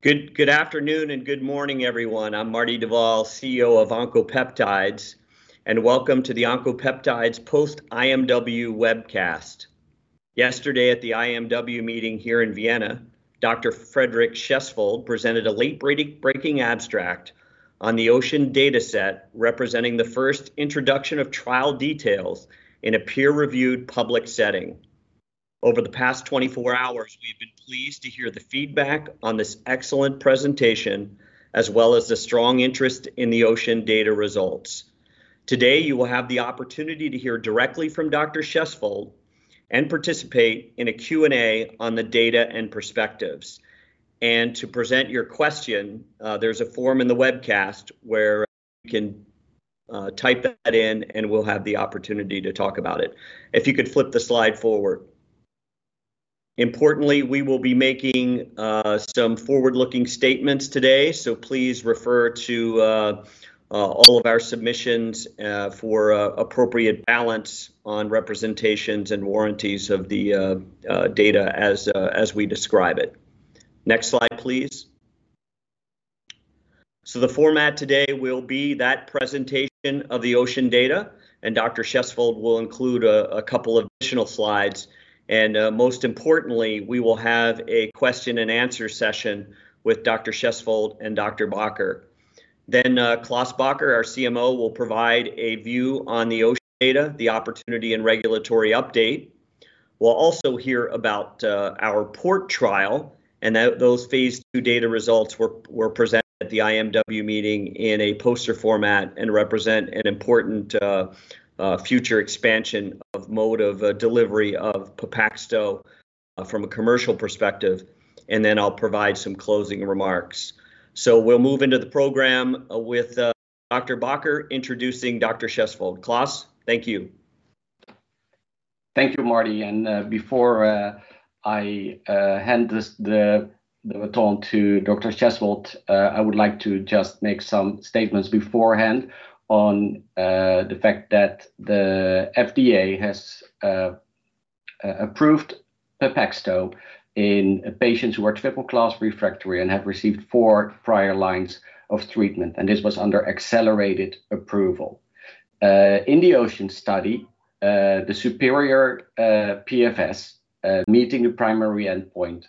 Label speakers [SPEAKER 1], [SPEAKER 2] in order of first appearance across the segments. [SPEAKER 1] Good afternoon and good morning, everyone. I'm Marty Duvall, CEO of Oncopeptides. Welcome to the Oncopeptides post IMW webcast. Yesterday at the IMW meeting h ere in Vienna, Dr. Fredrik Schjesvold presented a late-breaking abstract on the OCEAN dataset representing the first introduction of trial details in a peer-reviewed public setting. Over the past 24 hours, we've been pleased to hear the feedback on this excellent presentation, as well as the strong interest in the OCEAN data results. Today, you will have the opportunity to hear directly from Dr. Schjesvold and participate in a Q&A on the data and perspectives. To present your question, there's a form in the webcast where you can type that in and we'll have the opportunity to talk about it. If you could flip the slide forward. Importantly, we will be making some forward-looking statements today, so please refer to all of our submissions for appropriate balance on representations and warranties of the data as we describe it. Next slide, please. The format today will be that presentation of the OCEAN data, and Dr. Fredrik Schjesvold will include a couple of additional slides. Most importantly, we will have a question and answer session with Dr. Fredrik Schjesvold and Dr. Klaas Bakker. Klaas Bakker, our CMO, will provide a view on the OCEAN data, the opportunity and regulatory update. We'll also hear about our PORT trial and those phase II data results were presented at the IMW meeting in a poster format and represent an important future expansion of mode of delivery of PEPAXTO from a commercial perspective. I'll provide some closing remarks. We'll move into the program with Dr. Klaas Bakker introducing Dr. Fredrik Schjesvold. Klaas, thank you.
[SPEAKER 2] Thank you, Marty. Before I hand the baton to Dr. Fredrik Schjesvold, I would like to just make some statements beforehand on the fact that the FDA has approved PEPAXTO in patients who are triple-class refractory and have received four prior lines of treatment. This was under accelerated approval. In the OCEAN study, the superior PFS meeting the primary endpoint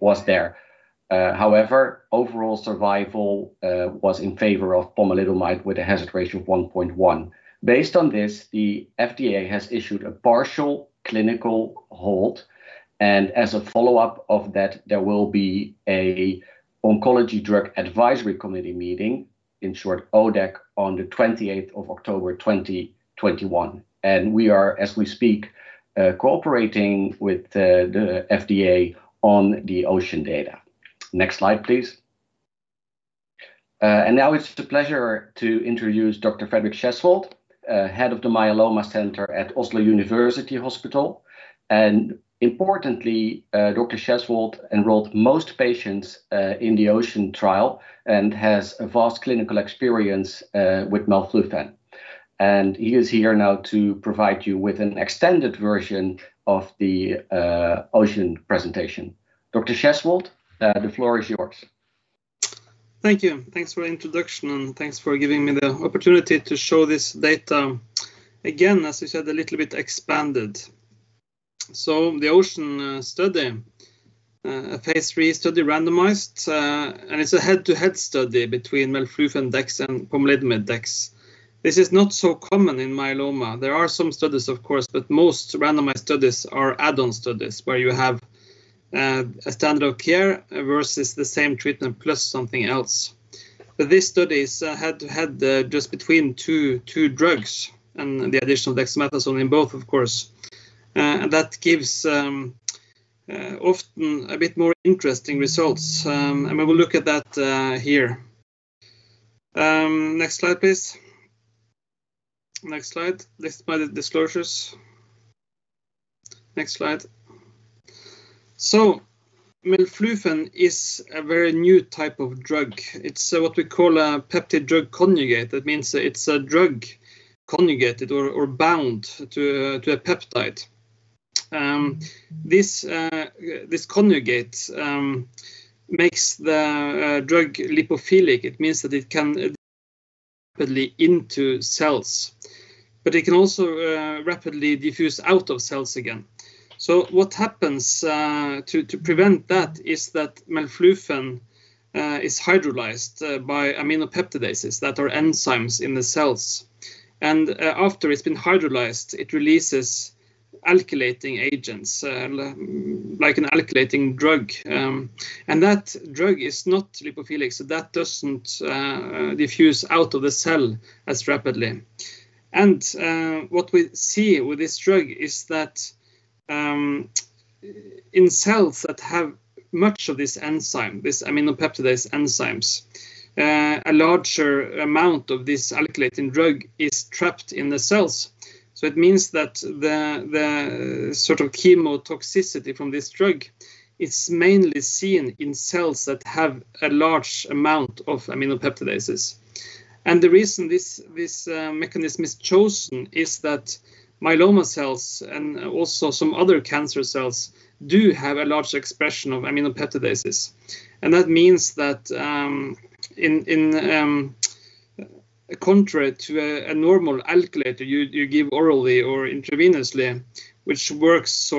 [SPEAKER 2] was there. However, overall survival was in favor of pomalidomide with a hazard ratio of 1.1. Based on this, the FDA has issued a partial clinical hold. As a follow-up of that, there will be an Oncologic Drugs Advisory Committee meeting, in short ODAC, on the 28th of October 2021. We are, as we speak, cooperating with the FDA on the OCEAN data. Next slide, please. Now it's a pleasure to introduce Dr. Fredrik Schjesvold, head of the Myeloma Center at Oslo University Hospital. Importantly, Dr. Schjesvold enrolled most patients in the OCEAN trial and has a vast clinical experience with melflufen. He is here now to provide you with an extended version of the OCEAN presentation. Dr. Schjesvold, the floor is yours.
[SPEAKER 3] Thank you. Thanks for the introduction and thanks for giving me the opportunity to show this data again, as you said, a little bit expanded. The OCEAN study, a phase III study randomized, and it's a head-to-head study between melflufen dex and pomalidomide dex. This is not so common in myeloma. There are some studies, of course, but most randomized studies are add-on studies where you have a standard of care versus the same treatment plus something else. These studies had just between two drugs and the additional dexamethasone in both, of course. That gives often a bit more interesting results, and we will look at that here. Next slide, please. Next slide. List my disclosures. Next slide. Melflufen is a very new type of drug. It's what we call a peptide-drug conjugate. That means it's a drug conjugated or bound to a peptide. This conjugate makes the drug lipophilic. It means that it can rapidly into cells, but it can also rapidly diffuse out of cells again. What happens to prevent that is that melflufen is hydrolyzed by aminopeptidases that are enzymes in the cells. After it's been hydrolyzed, it releases alkylating agents, like an alkylating drug. That drug is not lipophilic, so that doesn't diffuse out of the cell as rapidly. What we see with this drug is that in cells that have much of this enzyme, these aminopeptidase enzymes, a larger amount of this alkylating drug is trapped in the cells. It means that the sort of chemotoxicity from this drug is mainly seen in cells that have a large amount of aminopeptidases. The reason this mechanism is chosen is that myeloma cells and also some other cancer cells do have a large expression of aminopeptidases. That means that in contrast to a normal alkylator you give orally or intravenously, which works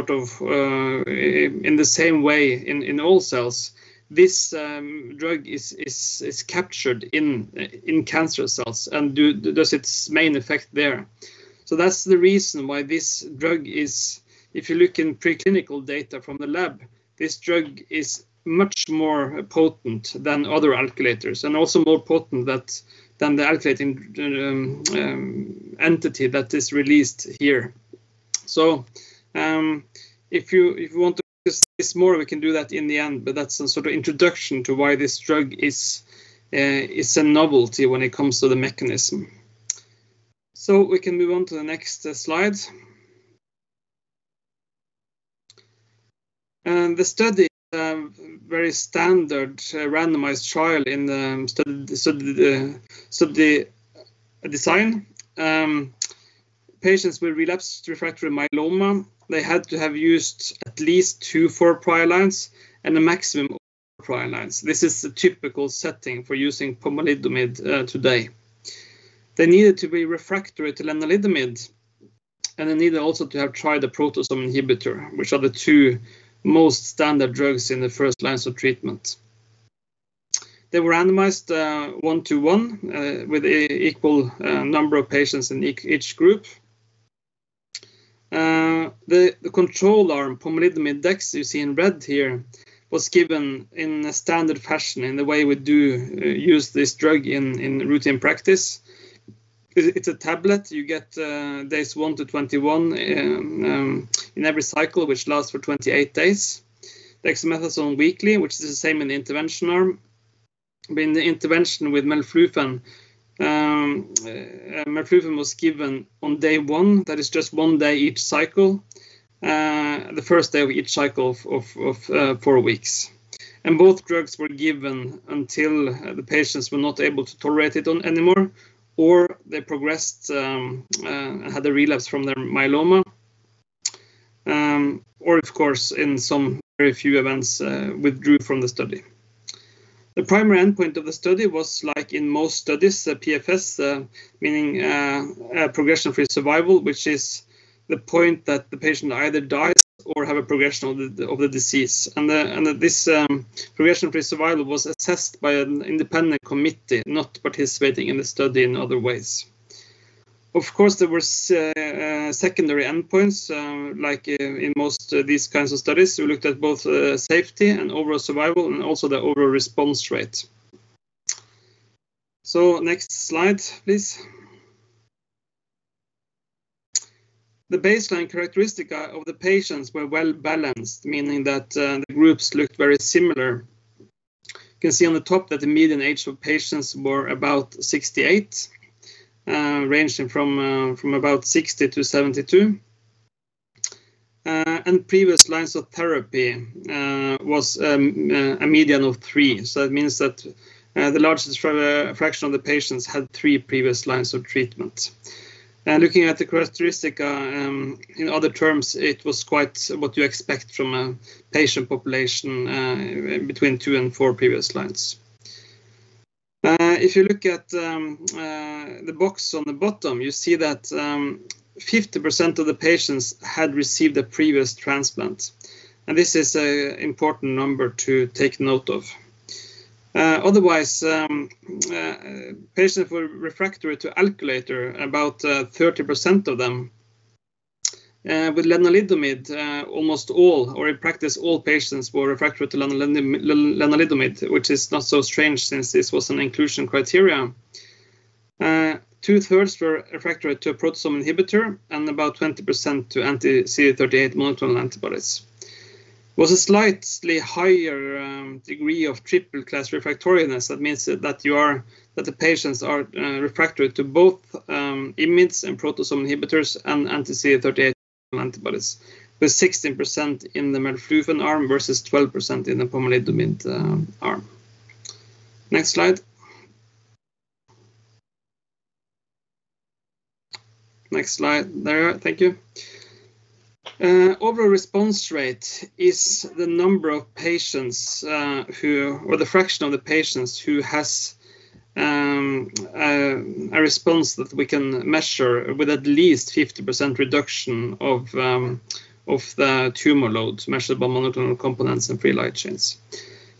[SPEAKER 3] in the same way in all cells. This drug is captured in cancer cells and does its main effect there. That's the reason why this drug is, if you look in pre-clinical data from the lab, this drug is much more potent than other alkylators and also more potent than the alkylating entity that is released here. If you want to discuss this more, we can do that in the end, but that's a sort of introduction to why this drug is a novelty when it comes to the mechanism. We can move on to the next slide. The study, very standard randomized trial in the study design. Patients with relapsed refractory myeloma, they had to have used at least two-four prior lines and a maximum of four prior lines. This is the typical setting for using pomalidomide today. They needed to be refractory to lenalidomide, and they needed also to have tried the proteasome inhibitor, which are the two most standard drugs in the first lines of treatment. They were randomized one to one with equal number of patients in each group. The control arm, pomalidomide dex you see in red here, was given in a standard fashion in the way we use this drug in routine practice. It's a tablet you get days one to 21 in every cycle, which lasts for 28 days. Dexamethasone weekly, which is the same in the intervention arm. In the intervention with melflufen was given on day one, that is just one day each cycle, the first day of each cycle of four weeks. Both drugs were given until the patients were not able to tolerate it anymore or they progressed and had a relapse from their myeloma or of course in some very few events, withdrew from the study. The primary endpoint of the study was like in most studies, the PFS, meaning progression free survival, which is the point that the patient either dies or have a progression of the disease. This progression free survival was assessed by an independent committee not participating in the study in other ways. Of course, there was secondary endpoints, like in most these kinds of studies. We looked at both safety and overall survival and also the overall response rate. Next slide, please. The baseline characteristics of the patients were well-balanced, meaning that the groups looked very similar. You can see on the top that the median age of patients was about 68, ranging from about 60 to 72. Previous lines of therapy was a median of three. That means that the largest fraction of the patients had three previous lines of treatment. Looking at the characteristics in other terms, it was quite what you expect from a patient population between two and four previous lines. If you look at the box on the bottom, you see that 50% of the patients had received a previous transplant, and this is an important number to take note of. Otherwise, patients were refractory to alkylators, about 30% of them. With lenalidomide almost all or in practice all patients were refractory to lenalidomide, which is not so strange since this was an inclusion criterion. Two-thirds were refractory to a proteasome inhibitor and about 20% to anti-CD38 monoclonal antibodies. There was a slightly higher degree of triple-class refractoriness. That means that the patients are refractory to both IMiDs and proteasome inhibitors and anti-CD38 monoclonal antibodies, with 16% in the melphalan arm versus 12% in the pomalidomide arm. Next slide. Next slide. There we are. Thank you. Overall response rate is the number of patients or the fraction of the patients who has a response that we can measure with at least 50% reduction of the tumor load measured by monoclonal components and free light chains.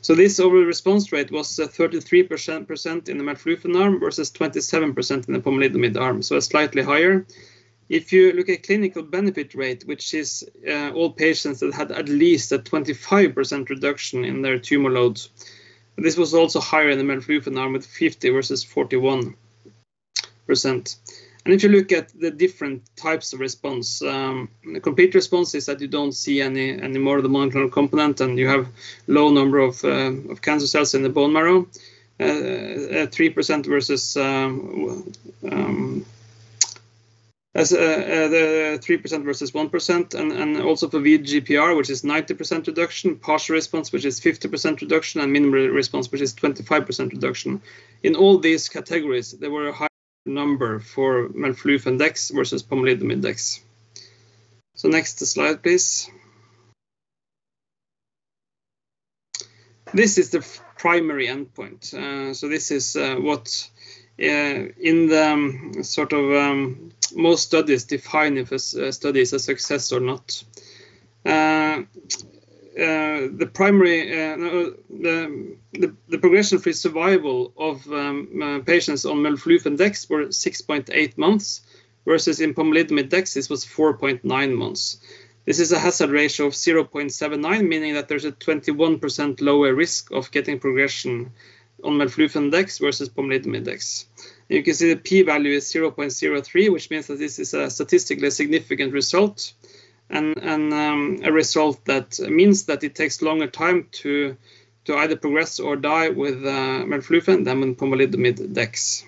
[SPEAKER 3] This overall response rate was 33% in the melphalan arm versus 27% in the pomalidomide arm. Slightly higher. If you look at clinical benefit rate, which is all patients that had at least a 25% reduction in their tumor loads. This was also higher in the melphalan arm with 50 versus 41%. If you look at the different types of response, the complete response is that you don't see any more of the monoclonal component and you have low number of cancer cells in the bone marrow at 3% versus 1%. Also for VGPR, which is 90% reduction, partial response which is 50% reduction and minimal response which is 25% reduction. In all these categories, there were a higher number for melphalan dex versus pomalidomide dex. Next slide please. This is the primary endpoint. This is what most studies define if a study is a success or not. The progression-free survival of patients on melflufen and dex was 6.8 months versus in pomalidomide dex, this was 4.9 months. This is a hazard ratio of 0.79, meaning that there's a 21% lower risk of getting progression on melflufen dex versus pomalidomide dex. You can see the P value is 0.03, which means that this is a statistically significant result, and a result that means that it takes a longer time to either progress or die with melphalan than with pomalidomide dex.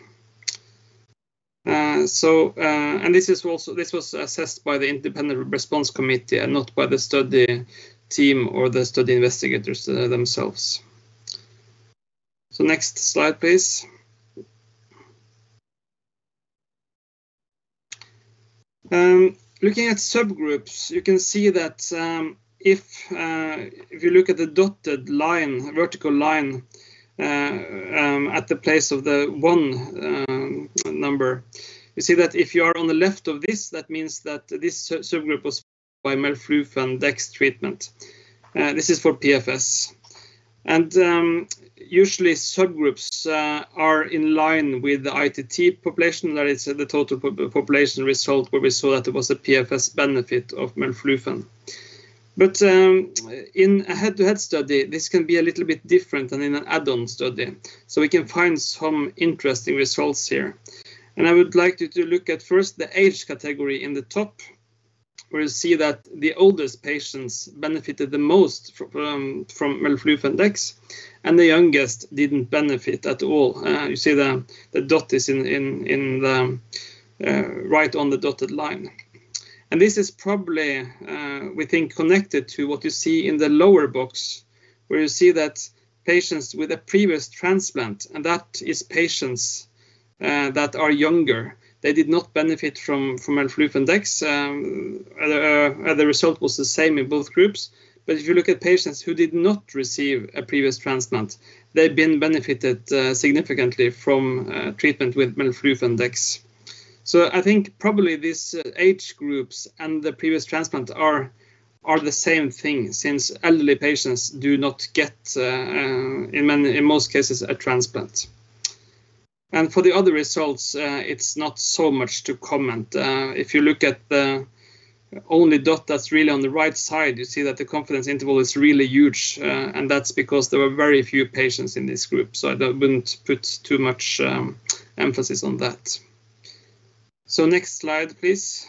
[SPEAKER 3] This was assessed by the independent response committee and not by the study team or the study investigators themselves. Next slide, please. Looking at subgroups, you can see that if you look at the dotted line, vertical line at the place of the one number, you see that if you are on the left of this, that means that this subgroup was by melflufen dex treatment. This is for PFS. Usually, subgroups are in line with the ITT population, that is the total population result where we saw that there was a PFS benefit of melflufen. In a head-to-head study, this can be a little bit different than in an add-on study. We can find some interesting results here. I would like you to look at first the age category in the top, where you see that the oldest patients benefited the most from melflufen dex, and the youngest didn't benefit at all. You see the dot is right on the dotted line. This is probably, we think, connected to what you see in the lower box, where you see that patients with a previous transplant, and that is patients that are younger, they did not benefit from melflufen dex. The result was the same in both groups. If you look at patients who did not receive a previous transplant, they benefited significantly from treatment with melflufen dex. I think probably these age groups and the previous transplant are the same thing since elderly patients do not get, in most cases, a transplant. For the other results, it's not so much to comment. If you look at the only dot that's really on the right side, you see that the confidence interval is really huge. That's because there were very few patients in this group, so I wouldn't put too much emphasis on that. Next slide, please.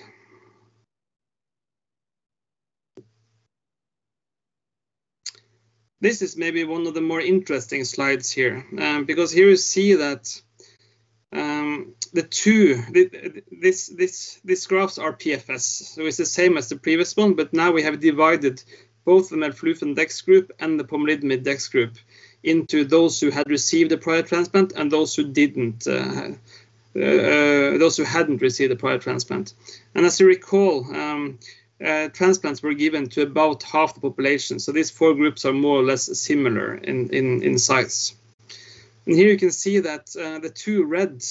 [SPEAKER 3] This is maybe one of the more interesting slides here because here you see that these graphs are PFS. It's the same as the previous one, but now we have divided both the melflufen dex group and the pomalidomide dex group into those who had received a prior transplant and those who hadn't received a prior transplant. As you recall, transplants were given to about half the population, so these four groups are more or less similar in size. Here you can see that the two red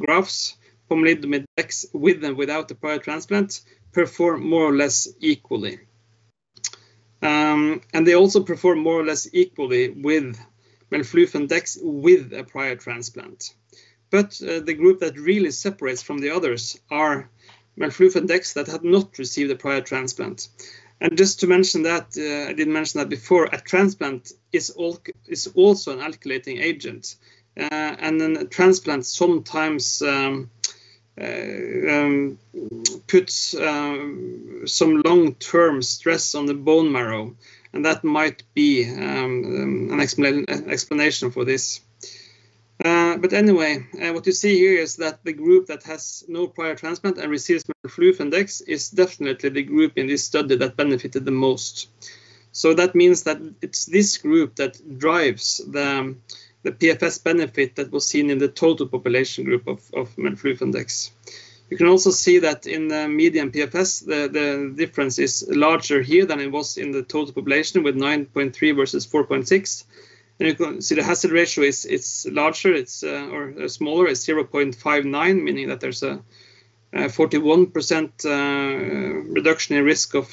[SPEAKER 3] graphs, pomalidomide dex with and without the prior transplant, perform more or less equally. They also perform more or less equally with melphalan dex with a prior transplant. The group that really separates from the others are melphalan dex that have not received a prior transplant. Just to mention that, I didn't mention that before, a transplant is also an alkylating agent. A transplant sometimes puts some long-term stress on the bone marrow, and that might be an explanation for this. What you see here is that the group that has no prior transplant and receives melphalan dex is definitely the group in this study that benefited the most. It's this group that drives the PFS benefit that was seen in the total population group of melphalan dex. You can also see that in the median PFS, the difference is larger here than it was in the total population with 9.3 versus 4.6. You can see the hazard ratio is smaller at 0.59, meaning that there's a 41% reduction in risk of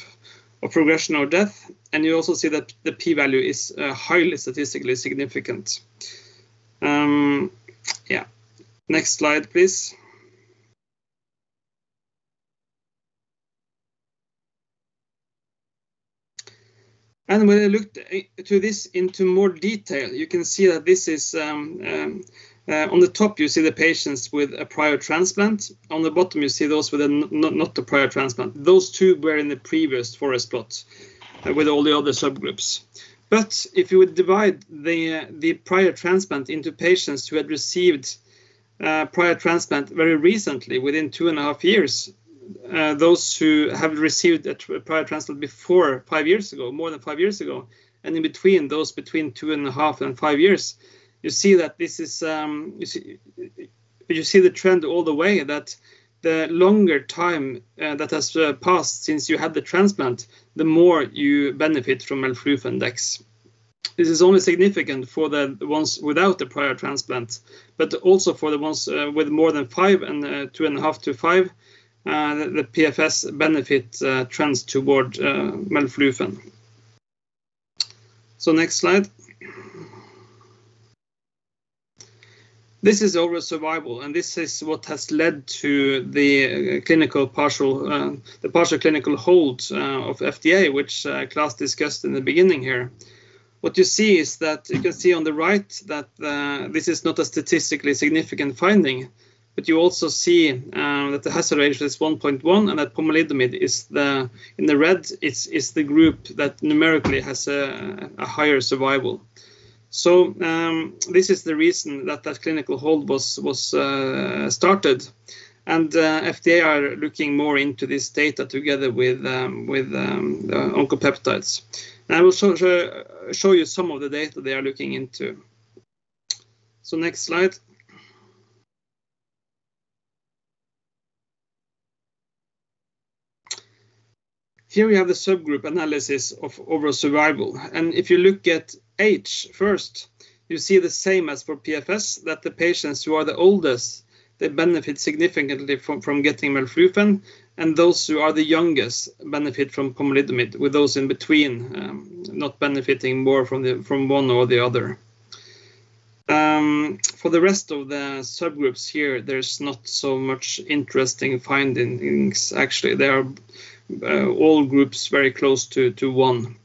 [SPEAKER 3] progression or death. You also see that the P value is highly statistically significant. Next slide, please. When I looked to this into more detail, on the top you see the patients with a prior transplant. On the bottom, you see those with not the prior transplant. Those two were in the previous forest plot with all the other subgroups. If you would divide the prior transplant into patients who had received prior transplant very recently, within two and a half years, those who have received a prior transplant before more than five years ago, and in between those between two and a half and five years, you see the trend all the way that the longer time that has passed since you had the transplant, the more you benefit from melflufen dex. This is only significant for the ones without the prior transplant, but also for the ones with more than five and 2.5 to 5, the PFS benefit trends toward melphalan. Next slide. This is overall survival, and this is what has led to the partial clinical hold of FDA, which Klaas discussed in the beginning here. What you see is that you can see on the right that this is not a statistically significant finding. You also see that the hazard ratio is 1.1 and that pomalidomide in the red is the group that numerically has a higher survival. This is the reason that that clinical hold was started, and FDA are looking more into this data together with Oncopeptides. I will show you some of the data they are looking into. Next slide. Here we have the subgroup analysis of overall survival. If you look at age first, you see the same as for PFS, that the patients who are the oldest benefit significantly from getting melphalan, and those who are the youngest benefit from pomalidomide, with those in between not benefiting more from one or the other. For the rest of the subgroups here, there's not so much interesting findings. Actually, they are all groups very close to one.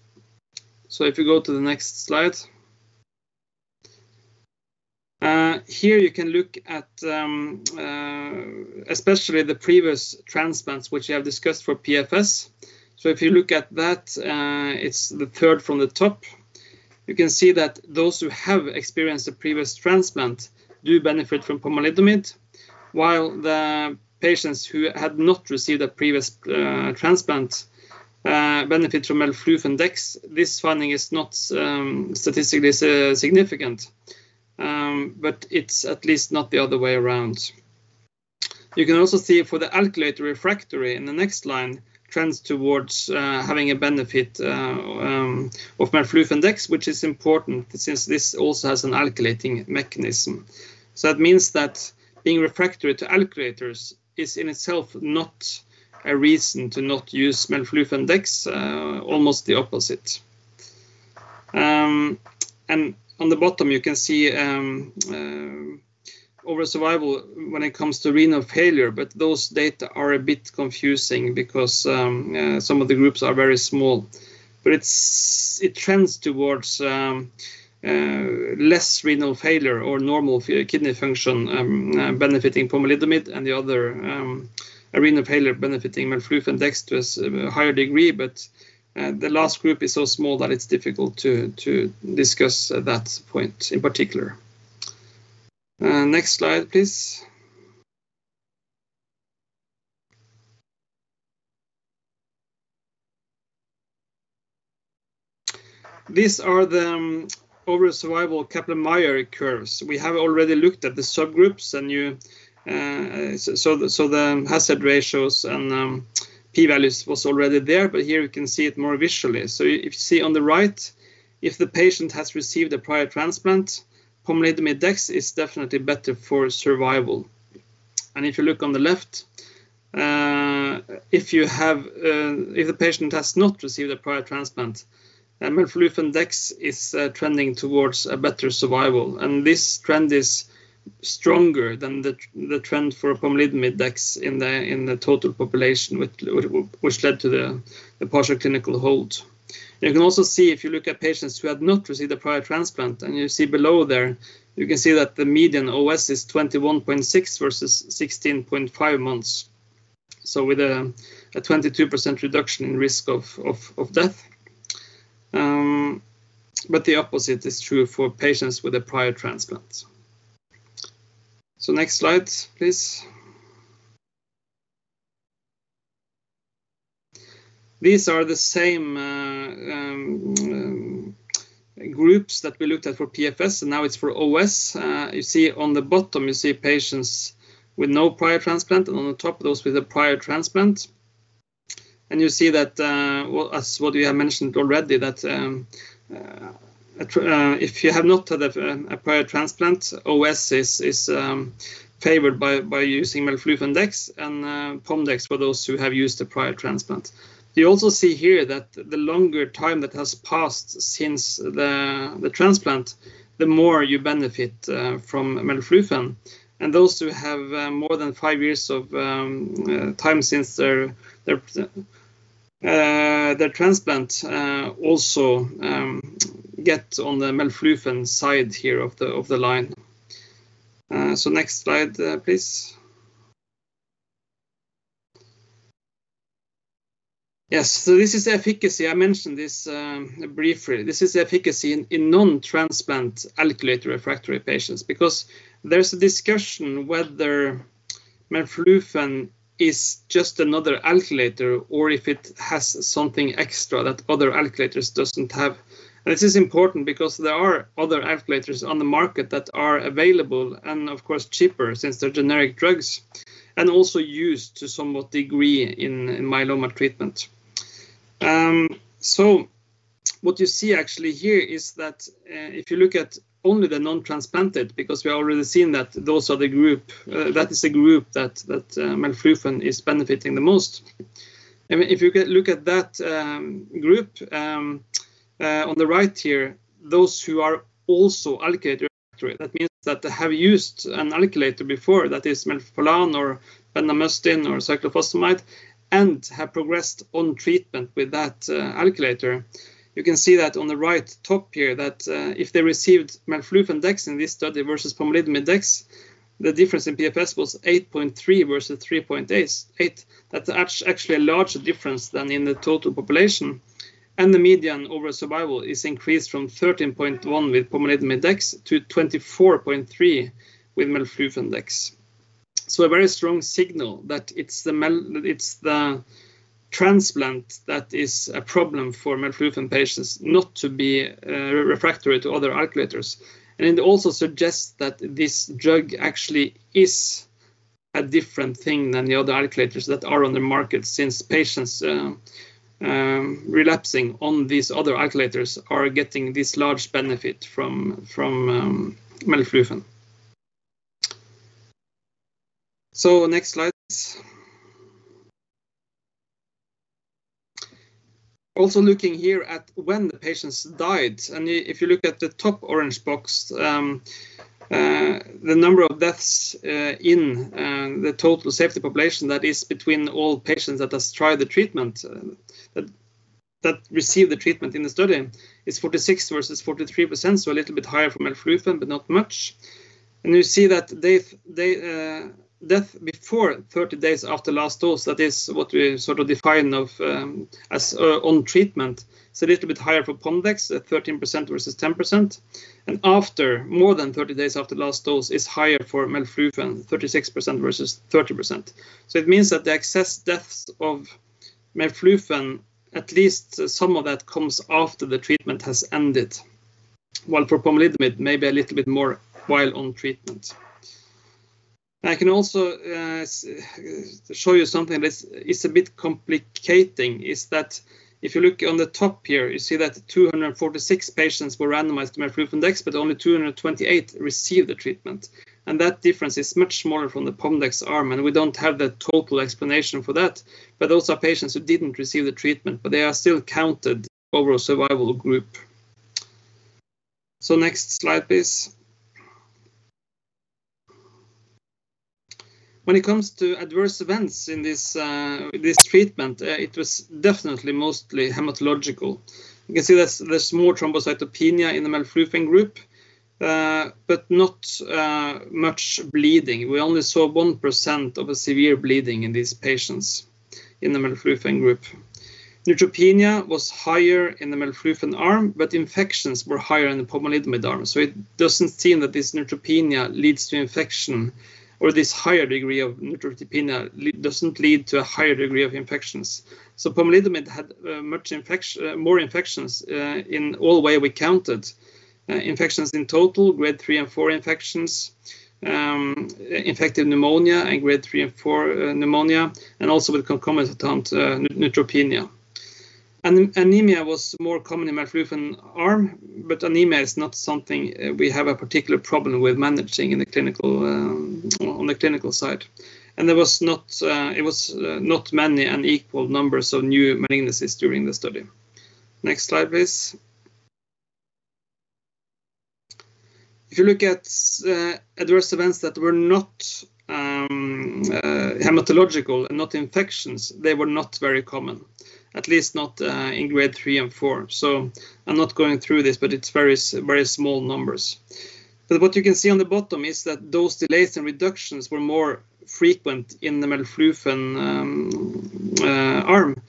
[SPEAKER 3] If you go to the next slide. Here you can look at especially the previous transplants which we have discussed for PFS. If you look at that, it's the third from the top. You can see that those who have experienced a previous transplant do benefit from pomalidomide, while the patients who had not received a previous transplant benefit from melphalan dex. This finding is not statistically significant, it's at least not the other way around. You can also see for the alkylator refractory in the next line trends towards having a benefit of melflufen dex, which is important since this also has an alkylating mechanism. That means that being refractory to alkylators is in itself not one reason to not use melflufen dex, almost the opposite. On the bottom, you can see overall survival when it comes to renal failure, but those data are a bit confusing because some of the groups are very small. It trends towards less renal failure or normal kidney function benefiting pomalidomide and the other renal failure benefiting melflufen dex to a higher degree. The last group is so small that it's difficult to discuss that point in particular. Next slide, please. These are the overall survival Kaplan-Meier curves. We have already looked at the subgroups and so the hazard ratios and p-values was already there, but here you can see it more visually. If you see on the right, if the patient has received a prior transplant, pomalidomide dex is definitely better for survival. If you look on the left, if the patient has not received a prior transplant, melflufen dex is trending towards a better survival, and this trend is stronger than the trend for pomalidomide dex in the total population which led to the partial clinical hold. You can also see if you look at patients who had not received a prior transplant, and you see below there you can see that the median OS is 21.6 versus 16.5 months. With a 22% reduction in risk of death. The opposite is true for patients with a prior transplant. Next slide, please. These are the same groups that we looked at for PFS. Now it is for OS. You see on the bottom, you see patients with no prior transplant. On the top, those with a prior transplant. You see that as what we have mentioned already that if you have not had a prior transplant, OS is favored by using melflufen dex and pom dex for those who have used a prior transplant. You also see here that the longer time that has passed since the transplant, the more you benefit from melphalan. Those who have more than five years of time since their transplant also get on the melflufen side here of the line. Next slide, please. Yes. This is efficacy. I mentioned this briefly. This is efficacy in non-transplant alkylator refractory patients because there's a discussion whether melflufen is just another alkylator or if it has something extra that other alkylators don't have. This is important because there are other alkylators on the market that are available and, of course, cheaper since they're generic drugs, and also used to some degree in myeloma treatment. What you see actually here is that if you look at only the non-transplanted, because we've already seen that that is a group that melflufen is benefiting the most. If you look at that group on the right here, those who are also alkylator refractory, that means that they have used an alkylator before, that is melphalan or bendamustine or cyclophosphamide, and have progressed on treatment with that alkylator. You can see that on the right top here that if they received melflufen dex in this study versus pomalidomide dex, the difference in PFS was 8.3 versus 3.8. That's actually a larger difference than in the total population. The median overall survival is increased from 13.1 with pomalidomide dex to 24.3 with melflufen dex. A very strong signal that it's the transplant that is a problem for melflufen patients not to be refractory to other alkylators. It also suggests that this drug actually is a different thing than the other alkylators that are on the market since patients relapsing on these other alkylators are getting this large benefit from melflufen. Next slide, please. Looking here at when the patients died, if you look at the top orange box, the number of deaths in the total safety population, that is between all patients that has tried the treatment, that received the treatment in the study, is 46% versus 43%, a little bit higher for melflufen but not much. You see that death before 30 days after last dose, that is what we define as on treatment, it's a little bit higher for pom dex at 13% versus 10%. After more than 30 days after last dose is higher for melflufen, 36% versus 30%. It means that the excess deaths of melflufen, at least some of that comes after the treatment has ended, while for pomalidomide maybe a little bit more while on treatment. I can also show you something that is a bit complicating, is that if you look on the top here, you see that 246 patients were randomized to melflufen dex, but only 228 received the treatment. That difference is much smaller from the pom dex arm and we don't have the total explanation for that. Those are patients who didn't receive the treatment, but they are still counted overall survival group. Next slide, please. When it comes to adverse events in this treatment, it was definitely mostly hematological. You can see there's more thrombocytopenia in the melflufen group, but not much bleeding. We only saw 1% of a severe bleeding in these patients in the melflufen group. Neutropenia was higher in the melflufen arm, but infections were higher in the pomalidomide arm. It doesn't seem that this neutropenia leads to infection or this higher degree of neutropenia doesn't lead to a higher degree of infections. Pomalidomide had more infections in all way we counted. Infections in total, grade three and four infections, infected pneumonia and grade three and four pneumonia and also with concomitant neutropenia. Anemia was more common in melflufen arm, but anemia is not something we have a particular problem with managing on the clinical side. It was not many unequal numbers of new malignancies during the study. Next slide, please. If you look at adverse events that were not hematological and not infections, they were not very common, at least not in grade three and four. I'm not going through this, but it's very small numbers. What you can see on the bottom is that those delays and reductions were more frequent in the melflufen arm.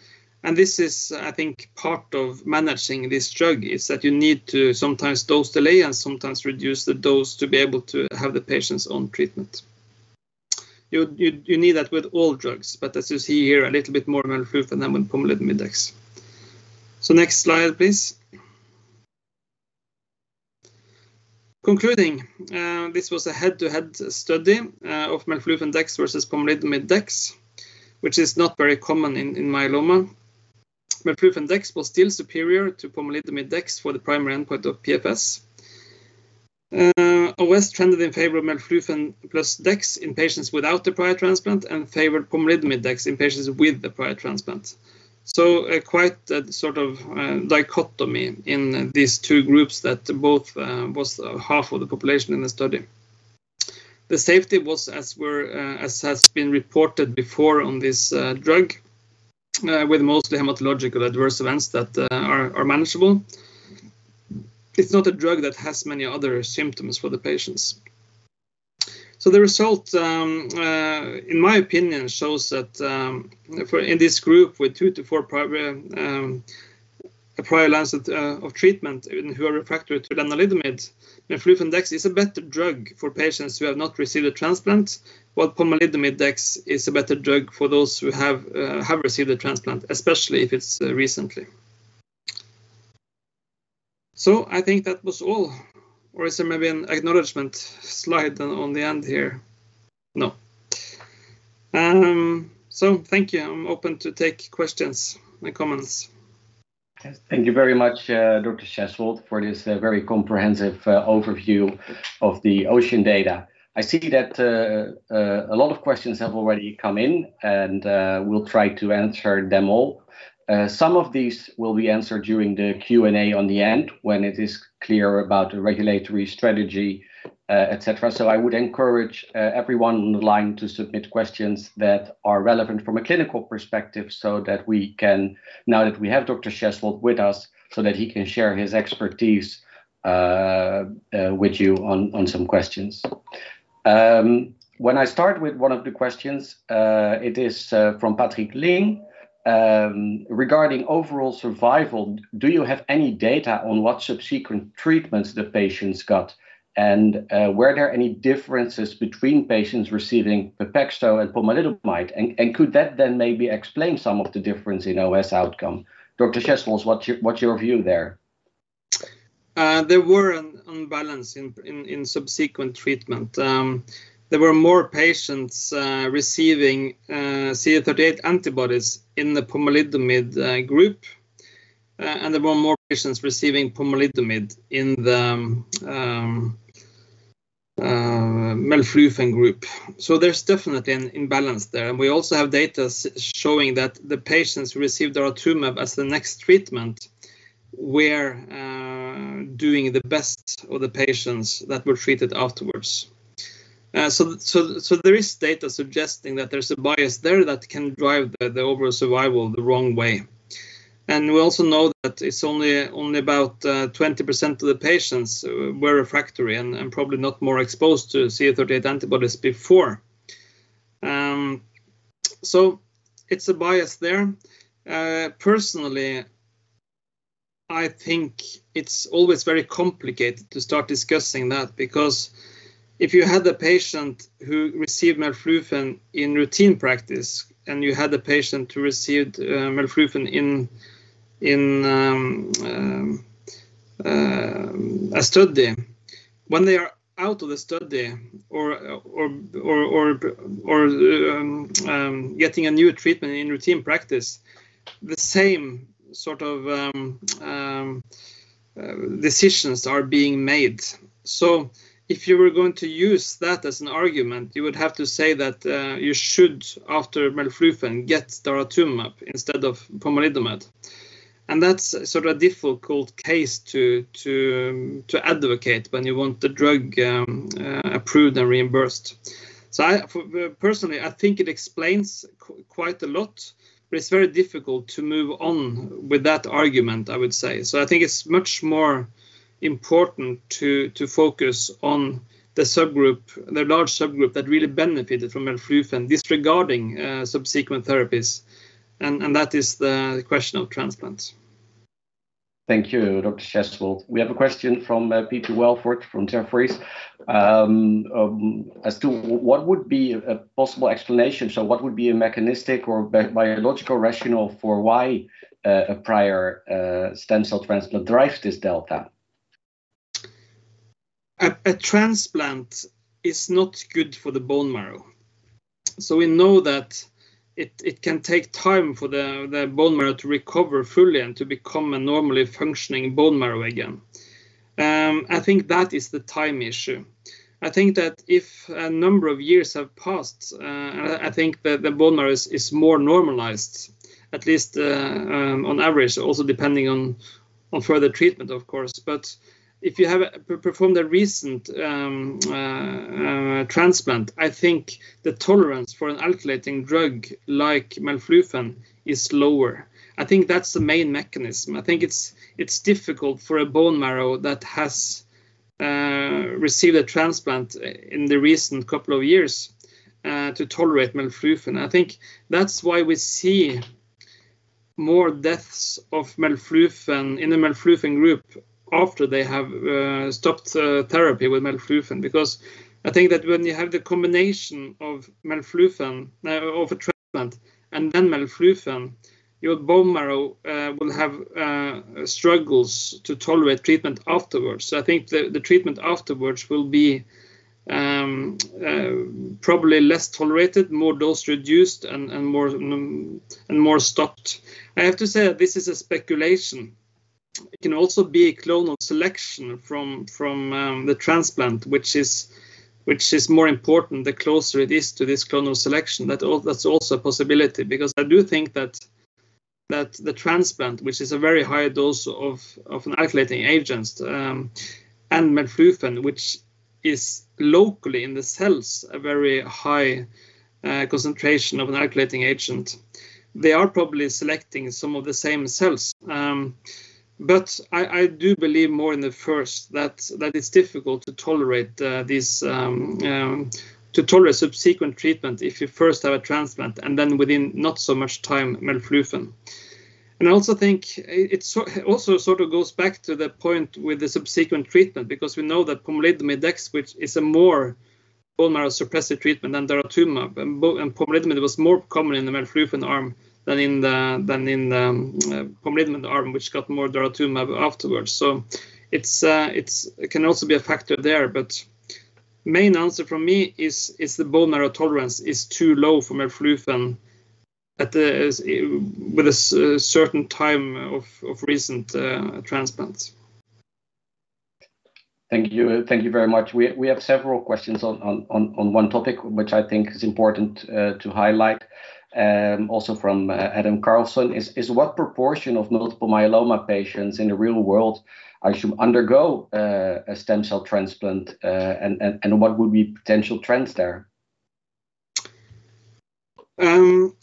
[SPEAKER 3] This is, I think, part of managing this drug is that you need to sometimes dose delay and sometimes reduce the dose to be able to have the patients on treatment. You need that with all drugs, but as you see here, a little bit more in melflufen than with pomalidomide dex. Next slide, please. Concluding, this was a head-to-head study of melflufen dex versus pomalidomide dex, which is not very common in myeloma. Melflufen dex was still superior to pomalidomide dex for the primary endpoint of PFS. OS trended in favor of melflufen plus dex in patients without the prior transplant and favored pomalidomide dex in patients with the prior transplant. Quite a dichotomy in these two groups that both was half of the population in the study. The safety was as has been reported before on this drug with mostly hematological adverse events that are manageable. It's not a drug that has many other symptoms for the patients. The result, in my opinion, shows that in this group with two to four prior line of treatment who are refractory to lenalidomide. melflufen dex is a better drug for patients who have not received a transplant, while pomalidomide dex is a better drug for those who have received a transplant, especially if it's recently. I think that was all. Is there maybe an acknowledgment slide on the end here? No. Thank you. I'm open to take questions and comments.
[SPEAKER 2] Thank you very much, Dr. Fredrik Schjesvold, for this very comprehensive overview of the OCEAN data. I see that a lot of questions have already come in, and we'll try to answer them all. Some of these will be answered during the Q&A on the end when it is clear about the regulatory strategy, et cetera. I would encourage everyone on the line to submit questions that are relevant from a clinical perspective, now that we have Dr. Fredrik Schjesvold with us, so that he can share his expertise with you on some questions. When I start with one of the questions, it is from Patrik Ling regarding overall survival. Do you have any data on what subsequent treatments the patients got, and were there any differences between patients receiving PEPAXTO and pomalidomide? Could that then maybe explain some of the difference in OS outcome? Dr. Schjesvold, what's your view there?
[SPEAKER 3] There were an imbalance in subsequent treatment. There were more patients receiving CD38 antibodies in the pomalidomide group, and there were more patients receiving pomalidomide in the melflufen group. There's definitely an imbalance there. We also have data showing that the patients who received daratumumab as the next treatment were doing the best of the patients that were treated afterwards. There is data suggesting that there's a bias there that can drive the overall survival the wrong way. We also know that it's only about 20% of the patients were refractory and probably not more exposed to CD38 antibodies before. It's a bias there. Personally, I think it's always very complicated to start discussing that because if you had a patient who received melflufen in routine practice and you had a patient who received melflufen in a study, when they are out of the study or getting a new treatment in routine practice, the same sort of decisions are being made. If you were going to use that as an argument, you would have to say that you should, after melflufen, get daratumumab instead of pomalidomide. That's a difficult case to advocate when you want the drug approved and reimbursed. Personally, I think it explains quite a lot, but it's very difficult to move on with that argument, I would say. I think it's much more important to focus on the large subgroup that really benefited from melflufen, disregarding subsequent therapies. That is the question of transplants.
[SPEAKER 2] Thank you, Dr. Fredrik Schjesvold. We have a question from Peter Welford from Jefferies as to what would be a possible explanation. What would be a mechanistic or biological rationale for why a prior stem cell transplant drives this delta?
[SPEAKER 3] A transplant is not good for the bone marrow. We know that it can take time for the bone marrow to recover fully and to become a normally functioning bone marrow again. I think that is the time issue. I think that if a number of years have passed, I think that the bone marrow is more normalized, at least on average, also depending on further treatment, of course. If you have performed a recent transplant, I think the tolerance for an alkylating drug like melflufen is lower. I think that's the main mechanism. I think it's difficult for a bone marrow that has received a transplant in the recent couple of years to tolerate melflufen. I think that's why we see more deaths of melflufen in the melflufen group after they have stopped therapy with melflufen. I think that when you have the combination of a transplant and then melflufen, your bone marrow will have struggles to tolerate treatment afterwards. I think the treatment afterwards will be probably less tolerated, more dose-reduced, and more stopped. I have to say that this is a speculation. It can also be a clonal selection from the transplant, which is more important the closer it is to this clonal selection. That's also a possibility because I do think that the transplant, which is a very high dose of an alkylating agent, and melflufen, which is locally in the cells, a very high concentration of an alkylating agent. They are probably selecting some of the same cells. I do believe more in the first that it's difficult to tolerate subsequent treatment if you first have a transplant and then within not so much time, melflufen. I also think it goes back to the point with the subsequent treatment, because we know that pomalidomide plus dexamethasone, which is a more bone marrow suppressive treatment than daratumumab, and pomalidomide was more common in the melflufen arm than in the pomalidomide arm, which got more daratumumab afterwards. It can also be a factor there. Main answer from me is the bone marrow tolerance is too low for melflufen with a certain time of recent transplants.
[SPEAKER 2] Thank you. Thank you very much. We have several questions on one topic, which I think is important to highlight. Also from Adam Karlsson is, what proportion of multiple myeloma patients in the real world actually undergo a stem cell transplant? What would be potential trends there?
[SPEAKER 3] The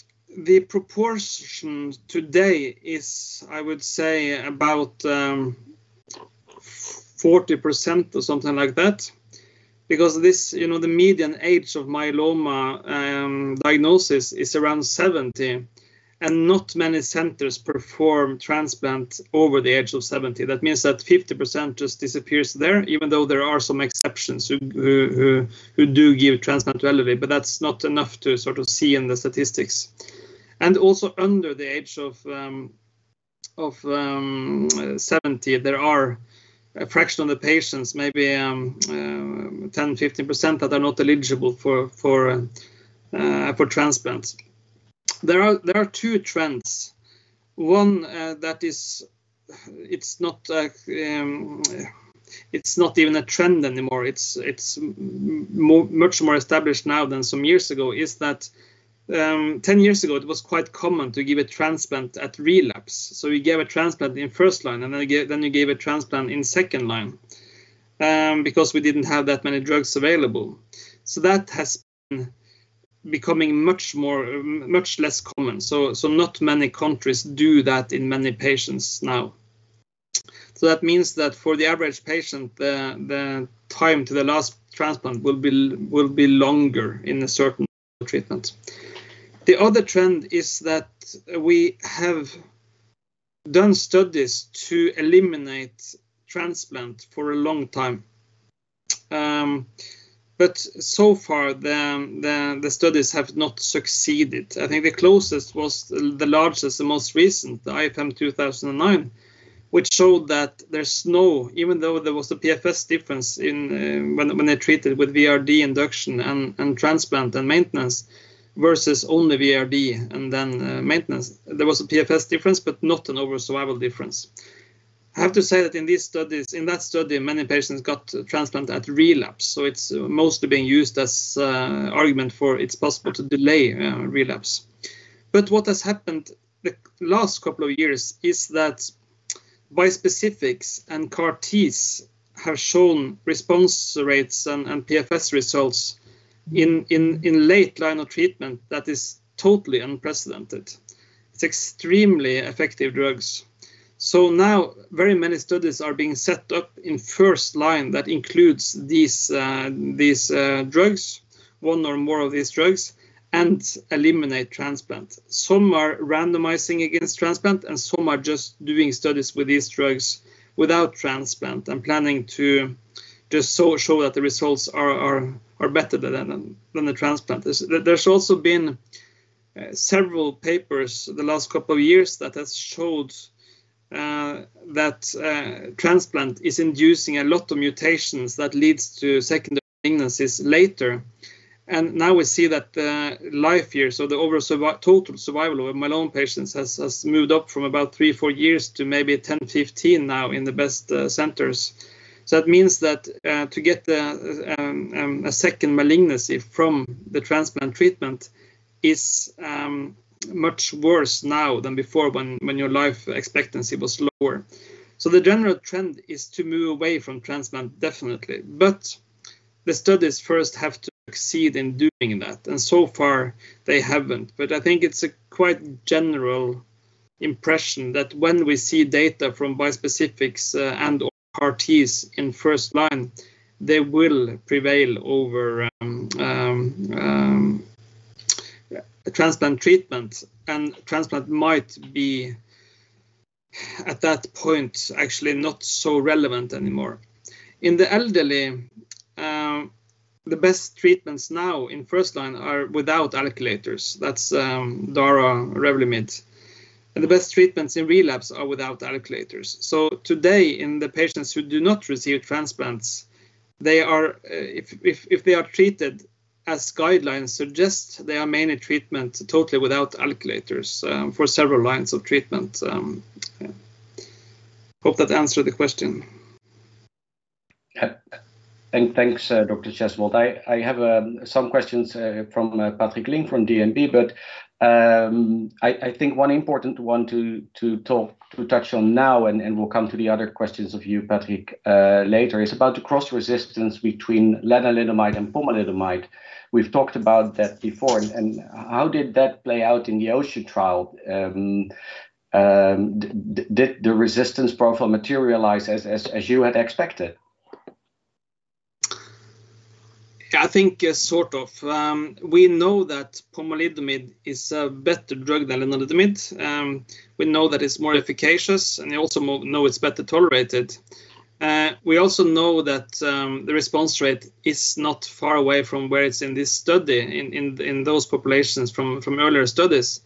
[SPEAKER 3] proportion today is, I would say, about 40% or something like that. The median age of myeloma diagnosis is around 70, and not many centers perform transplant over the age of 70. That means that 50% just disappears there, even though there are some exceptions who do give transplant to elderly, but that's not enough to see in the statistics. Also under the age of 70, there are a fraction of the patients, maybe 10, 15%, that are not eligible for transplants. There are two trends. One that is not even a trend anymore, it's much more established now than some years ago, is that 10 years ago it was quite common to give a transplant at relapse. We gave a transplant in first line, and then you gave a transplant in second line, because we didn't have that many drugs available. That has been becoming much less common. Not many countries do that in many patients now. That means that for the average patient, the time to the last transplant will be longer in a certain treatment. The other trend is that we have done studies to eliminate transplant for a long time. So far, the studies have not succeeded. I think the closest was the largest and most recent, the IFM 2009, which showed that even though there was a PFS difference when they treated with VRd induction and transplant and maintenance versus only VRd and then maintenance. There was a PFS difference, but not an overall survival difference. I have to say that in that study, many patients got transplant at relapse, so it is mostly being used as argument for it is possible to delay relapse. What has happened the last couple of years is that bispecifics and CAR-Ts have shown response rates and PFS results in late line of treatment that is totally unprecedented. It's extremely effective drugs. Now very many studies are being set up in 1st line that includes these drugs, one or more of these drugs, and eliminate transplant. Some are randomizing against transplant, and some are just doing studies with these drugs without transplant and planning to just show that the results are better than the transplant. There's also been several papers the last couple of years that has showed that transplant is inducing a lot of mutations that leads to secondary malignancies later. Now we see that the life years, so the overall total survival of myeloma patients has moved up from about three, four years to maybe 10, 15 now in the best centers. That means that to get a second malignancy from the transplant treatment is much worse now than before when your life expectancy was lower. The general trend is to move away from transplant, definitely. The studies first have to succeed in doing that, and so far they haven't. I think it's a quite general impression that when we see data from bispecifics and/or CAR-Ts in first line, they will prevail over transplant treatment. Transplant might be, at that point, actually not so relevant anymore. In the elderly, the best treatments now in first line are without alkylators. That's dara, REVLIMID. The best treatments in relapse are without alkylators. Today in the patients who do not receive transplants, if they are treated as guidelines suggest, they are mainly treatment totally without alkylators for several lines of treatment. Hope that answered the question.
[SPEAKER 2] Thanks, Dr. Schjesvold. I have some questions from Patrik Ling from DNB Markets, but I think one important one to touch on now, and we'll come to the other questions of you, Patrik, later, is about the cross-resistance between lenalidomide and pomalidomide. We've talked about that before, and how did that play out in the OCEAN trial? Did the resistance profile materialize as you had expected?
[SPEAKER 3] I think sort of. We know that pomalidomide is a better drug than lenalidomide. We know that it's more efficacious, and we also know it's better tolerated. We also know that the response rate is not far away from where it's in this study in those populations from earlier studies.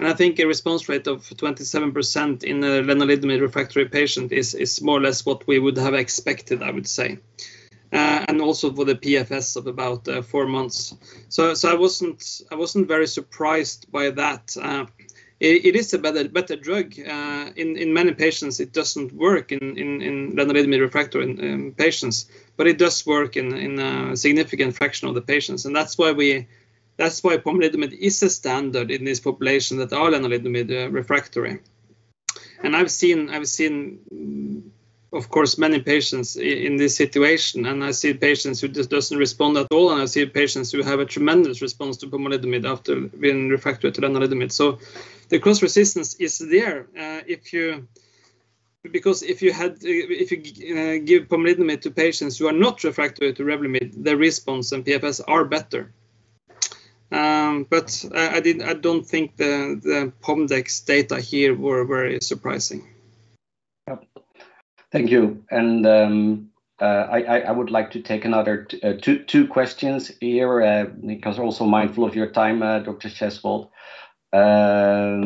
[SPEAKER 3] I think a response rate of 27% in a lenalidomide-refractory patient is more or less what we would have expected, I would say, and also for the PFS of about four months. I wasn't very surprised by that. It is a better drug. In many patients it doesn't work in lenalidomide-refractory patients, but it does work in a significant fraction of the patients, and that's why pomalidomide is a standard in this population that are lenalidomide refractory. I've seen, of course, many patients in this situation, and I see patients who just doesn't respond at all, and I see patients who have a tremendous response to pomalidomide after being refractory to lenalidomide. The cross-resistance is there. If you give pomalidomide to patients who are not refractory to REVLIMID, the response and PFS are better. I don't think the pom dex data here were very surprising.
[SPEAKER 2] Yep. Thank you. I would like to take another two questions here, because we're also mindful of your time, Dr. Schjesvold. I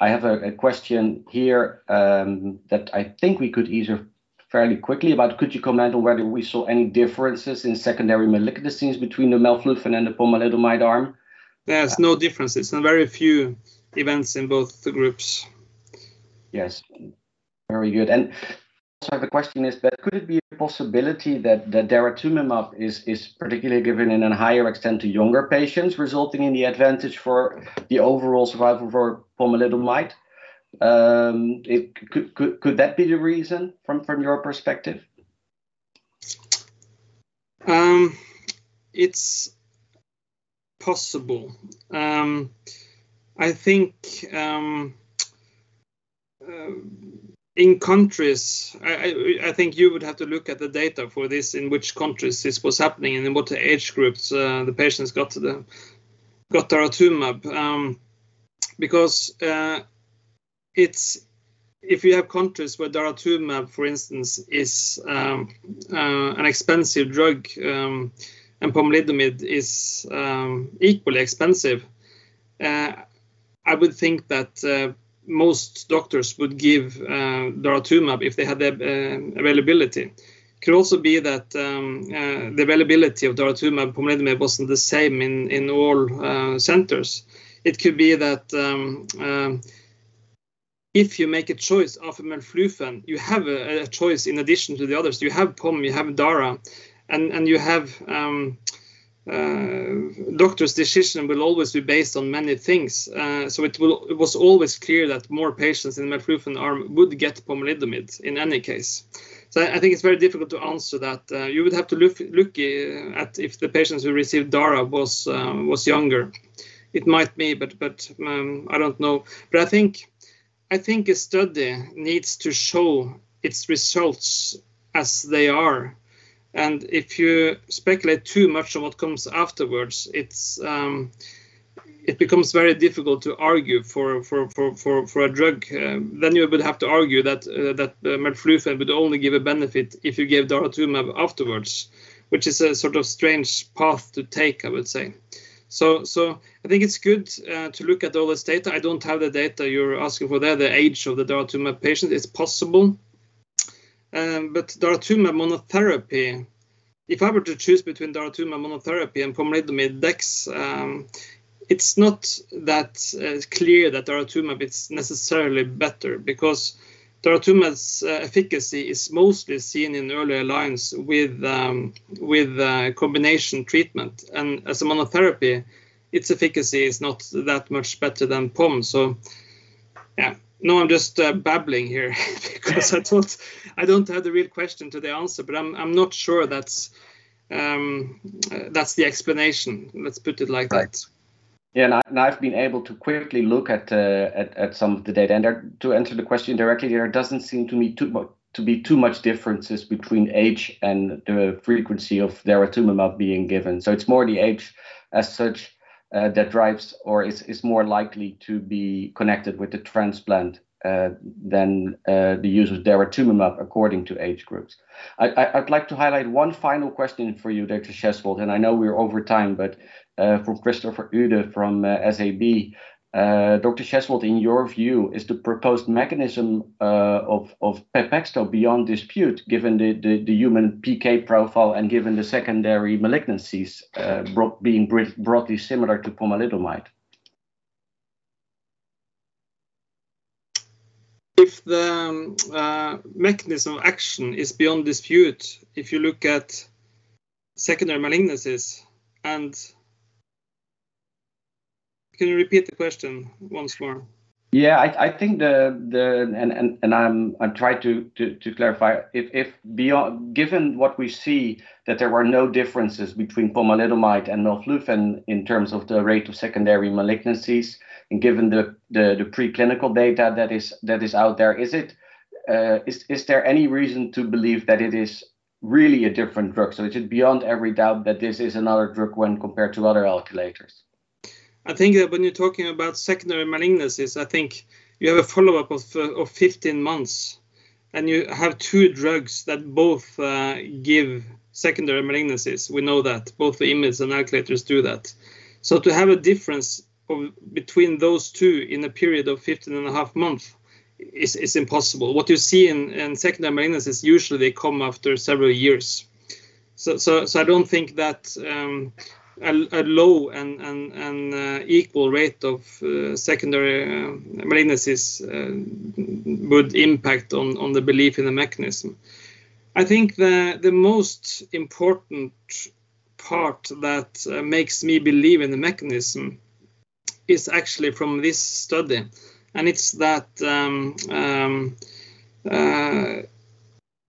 [SPEAKER 2] have a question here that I think we could either fairly quickly about could you comment on whether we saw any differences in secondary malignancies between the melflufen and the pomalidomide arm?
[SPEAKER 3] There's no differences and very few events in both groups.
[SPEAKER 2] Yes. Very good. Also I have a question is that could it be a possibility that daratumumab is particularly given in an higher extent to younger patients resulting in the advantage for the overall survival for pomalidomide? Could that be the reason from your perspective?
[SPEAKER 3] It's possible. I think you would have to look at the data for this in which countries this was happening and in what age groups the patients got daratumumab. If you have countries where daratumumab, for instance, is an expensive drug, and pomalidomide is equally expensive, I would think that most doctors would give daratumumab if they had the availability. Could also be that the availability of daratumumab, pomalidomide, wasn't the same in all centers. It could be that if you make a choice after melflufen, you have a choice in addition to the others. You have pom, you have dara. Doctors' decision will always be based on many things. It was always clear that more patients in melflufen arm would get pomalidomide in any case. I think it's very difficult to answer that. You would have to look at if the patients who received daratumumab was younger. It might be. I don't know. I think a study needs to show its results as they are, and if you speculate too much on what comes afterwards, it becomes very difficult to argue for a drug. You would have to argue that melflufen would only give a benefit if you give daratumumab afterwards, which is a sort of strange path to take, I would say. I think it's good to look at all this data. I don't have the data you're asking for there, the age of the daratumumab patient. It's possible. Daratumumab monotherapy, if I were to choose between daratumumab monotherapy and pomalidomide dexamethasone, it's not that clear that daratumumab is necessarily better because daratumumab's efficacy is mostly seen in earlier lines with combination treatment. As a monotherapy, its efficacy is not that much better than pom. Yeah. Now I'm just babbling here because I don't have the real question to the answer, but I'm not sure that's the explanation. Let's put it like that.
[SPEAKER 2] Right. Yeah. I've been able to quickly look at some of the data. To answer the question directly there, it doesn't seem to me to be too much differences between age and the frequency of daratumumab being given. It's more the age as such that drives or is more likely to be connected with the transplant than the use of daratumumab according to age groups. I'd like to highlight one final question for you, Dr. Schjesvold, and I know we're over time, but from Christopher Eude from SEB. Dr. Schjesvold, in your view, is the proposed mechanism of PEPAXTO beyond dispute given the human PK profile and given the secondary malignancies being broadly similar to pomalidomide?
[SPEAKER 3] If the mechanism action is beyond dispute, if you look at secondary malignancies. Can you repeat the question once more?
[SPEAKER 2] Yeah. I think I'm try to clarify. Given what we see that there were no differences between pomalidomide and melflufen in terms of the rate of secondary malignancies and given the pre-clinical data that is out there, is there any reason to believe that it is really a different drug? It is beyond every doubt that this is another drug when compared to other alkylators?
[SPEAKER 3] I think that when you're talking about secondary malignancies, I think you have a follow-up of 15 months, and you have two drugs that both give secondary malignancies. We know that both IMiDs and alkylators do that. To have a difference between those two in a period of 15 and a half months is impossible. What you see in secondary malignancies, usually they come after several years. I don't think that a low and equal rate of secondary malignancies would impact on the belief in the mechanism. I think the most important part that makes me believe in the mechanism is actually from this study, and it's that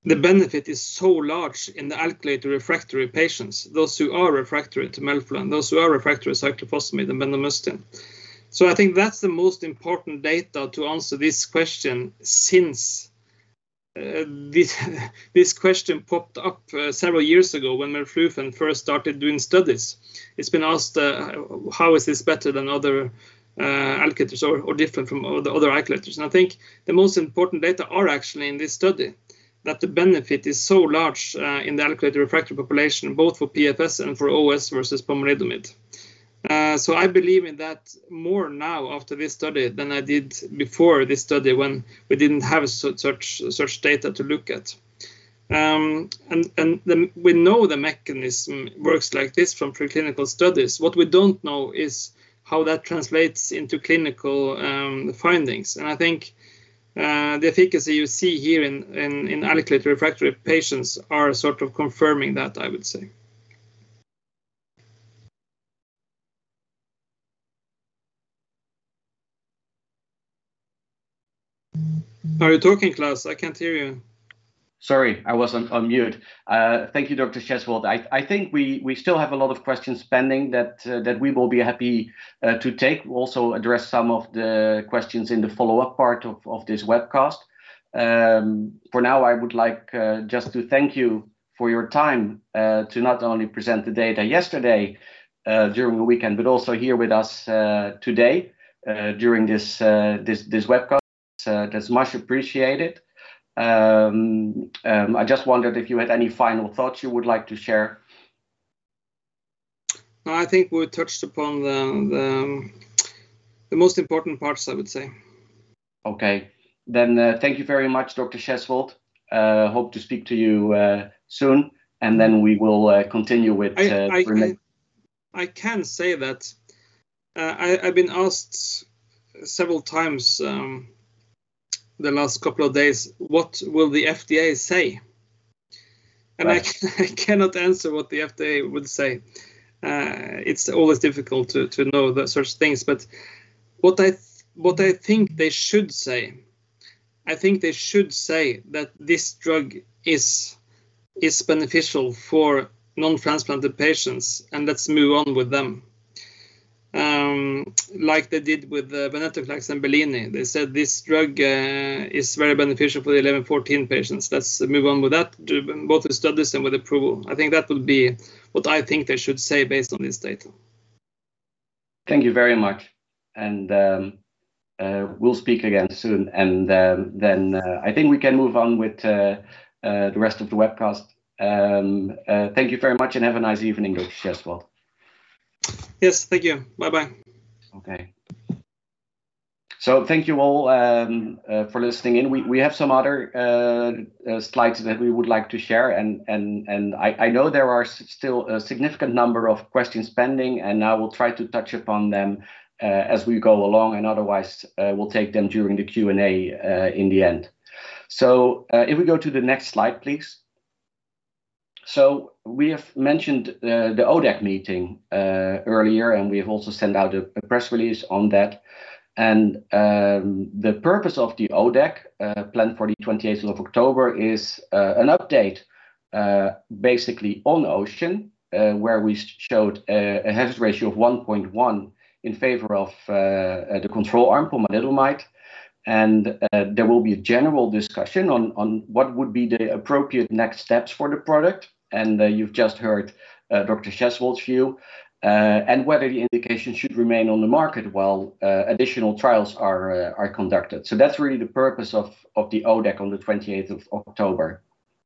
[SPEAKER 3] the benefit is so large in the alkylator-refractory patients, those who are refractory to melflufen, those who are refractory to cyclophosphamide and bendamustine. I think that's the most important data to answer this question since this question popped up several years ago when melflufen first started doing studies. It's been asked, how is this better than other alkylators or different from the other alkylators? I think the most important data are actually in this study that the benefit is so large in the alkylator-refractory population, both for PFS and for OS versus pomalidomide. I believe in that more now after this study than I did before this study when we didn't have such data to look at. We know the mechanism works like this from preclinical studies. What we don't know is how that translates into clinical findings. I think the efficacy you see here in alkylator-refractory patients are sort of confirming that, I would say. Are you talking, Klaas? I can't hear you.
[SPEAKER 2] Sorry, I wasn't on mute. Thank you, Dr. Schjesvold. I think we still have a lot of questions pending that we will be happy to take. We'll also address some of the questions in the follow-up part of this webcast. For now, I would like just to thank you for your time to not only present the data yesterday during the weekend, but also here with us today during this webcast. That's much appreciated. I just wondered if you had any final thoughts you would like to share.
[SPEAKER 3] No, I think we touched upon the most important parts, I would say.
[SPEAKER 2] Okay. Thank you very much, Dr. Schjesvold. Hope to speak to you soon.
[SPEAKER 3] I can say that I've been asked several times the last couple of days, what will the FDA say? I cannot answer what the FDA would say. It's always difficult to know those sorts of things. What I think they should say, I think they should say that this drug is beneficial for non-transplanted patients, and let's move on with them. Like they did with venetoclax and BELLINI. They said this drug is very beneficial for the 11, 14 patients. Let's move on with that, both with studies and with approval. I think that will be what I think they should say based on this data.
[SPEAKER 2] Thank you very much. We'll speak again soon. I think we can move on with the rest of the webcast. Thank you very much, and have a nice evening, Dr. Fredrik Schjesvold.
[SPEAKER 3] Yes. Thank you. Bye-bye.
[SPEAKER 2] Okay. Thank you all for listening in. We have some other slides that we would like to share, and I know there are still a significant number of questions pending, and I will try to touch upon them as we go along, and otherwise, we'll take them during the Q&A in the end. If we go to the next slide, please. We have mentioned the ODAC meeting earlier, and we have also sent out a press release on that. The purpose of the ODAC planned for the 28th of October is an update basically on OCEAN, where we showed a hazard ratio of 1.1 in favor of the control arm, pomalidomide. There will be a general discussion on what would be the appropriate next steps for the product. You've just heard Dr. Schjesvold's view and whether the indication should remain on the market while additional trials are conducted. That's really the purpose of the ODAC on the 28th of October.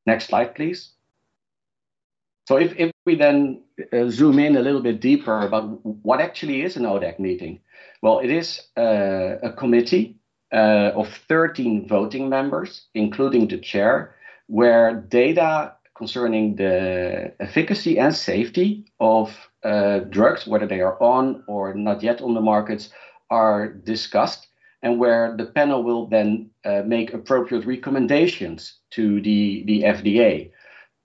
[SPEAKER 2] Next slide, please. If we then zoom in a little bit deeper about what actually is an ODAC meeting? Well, it is a committee of 13 voting members, including the chair, where data concerning the efficacy and safety of drugs, whether they are on or not yet on the markets, are discussed, and where the panel will then make appropriate recommendations to the FDA.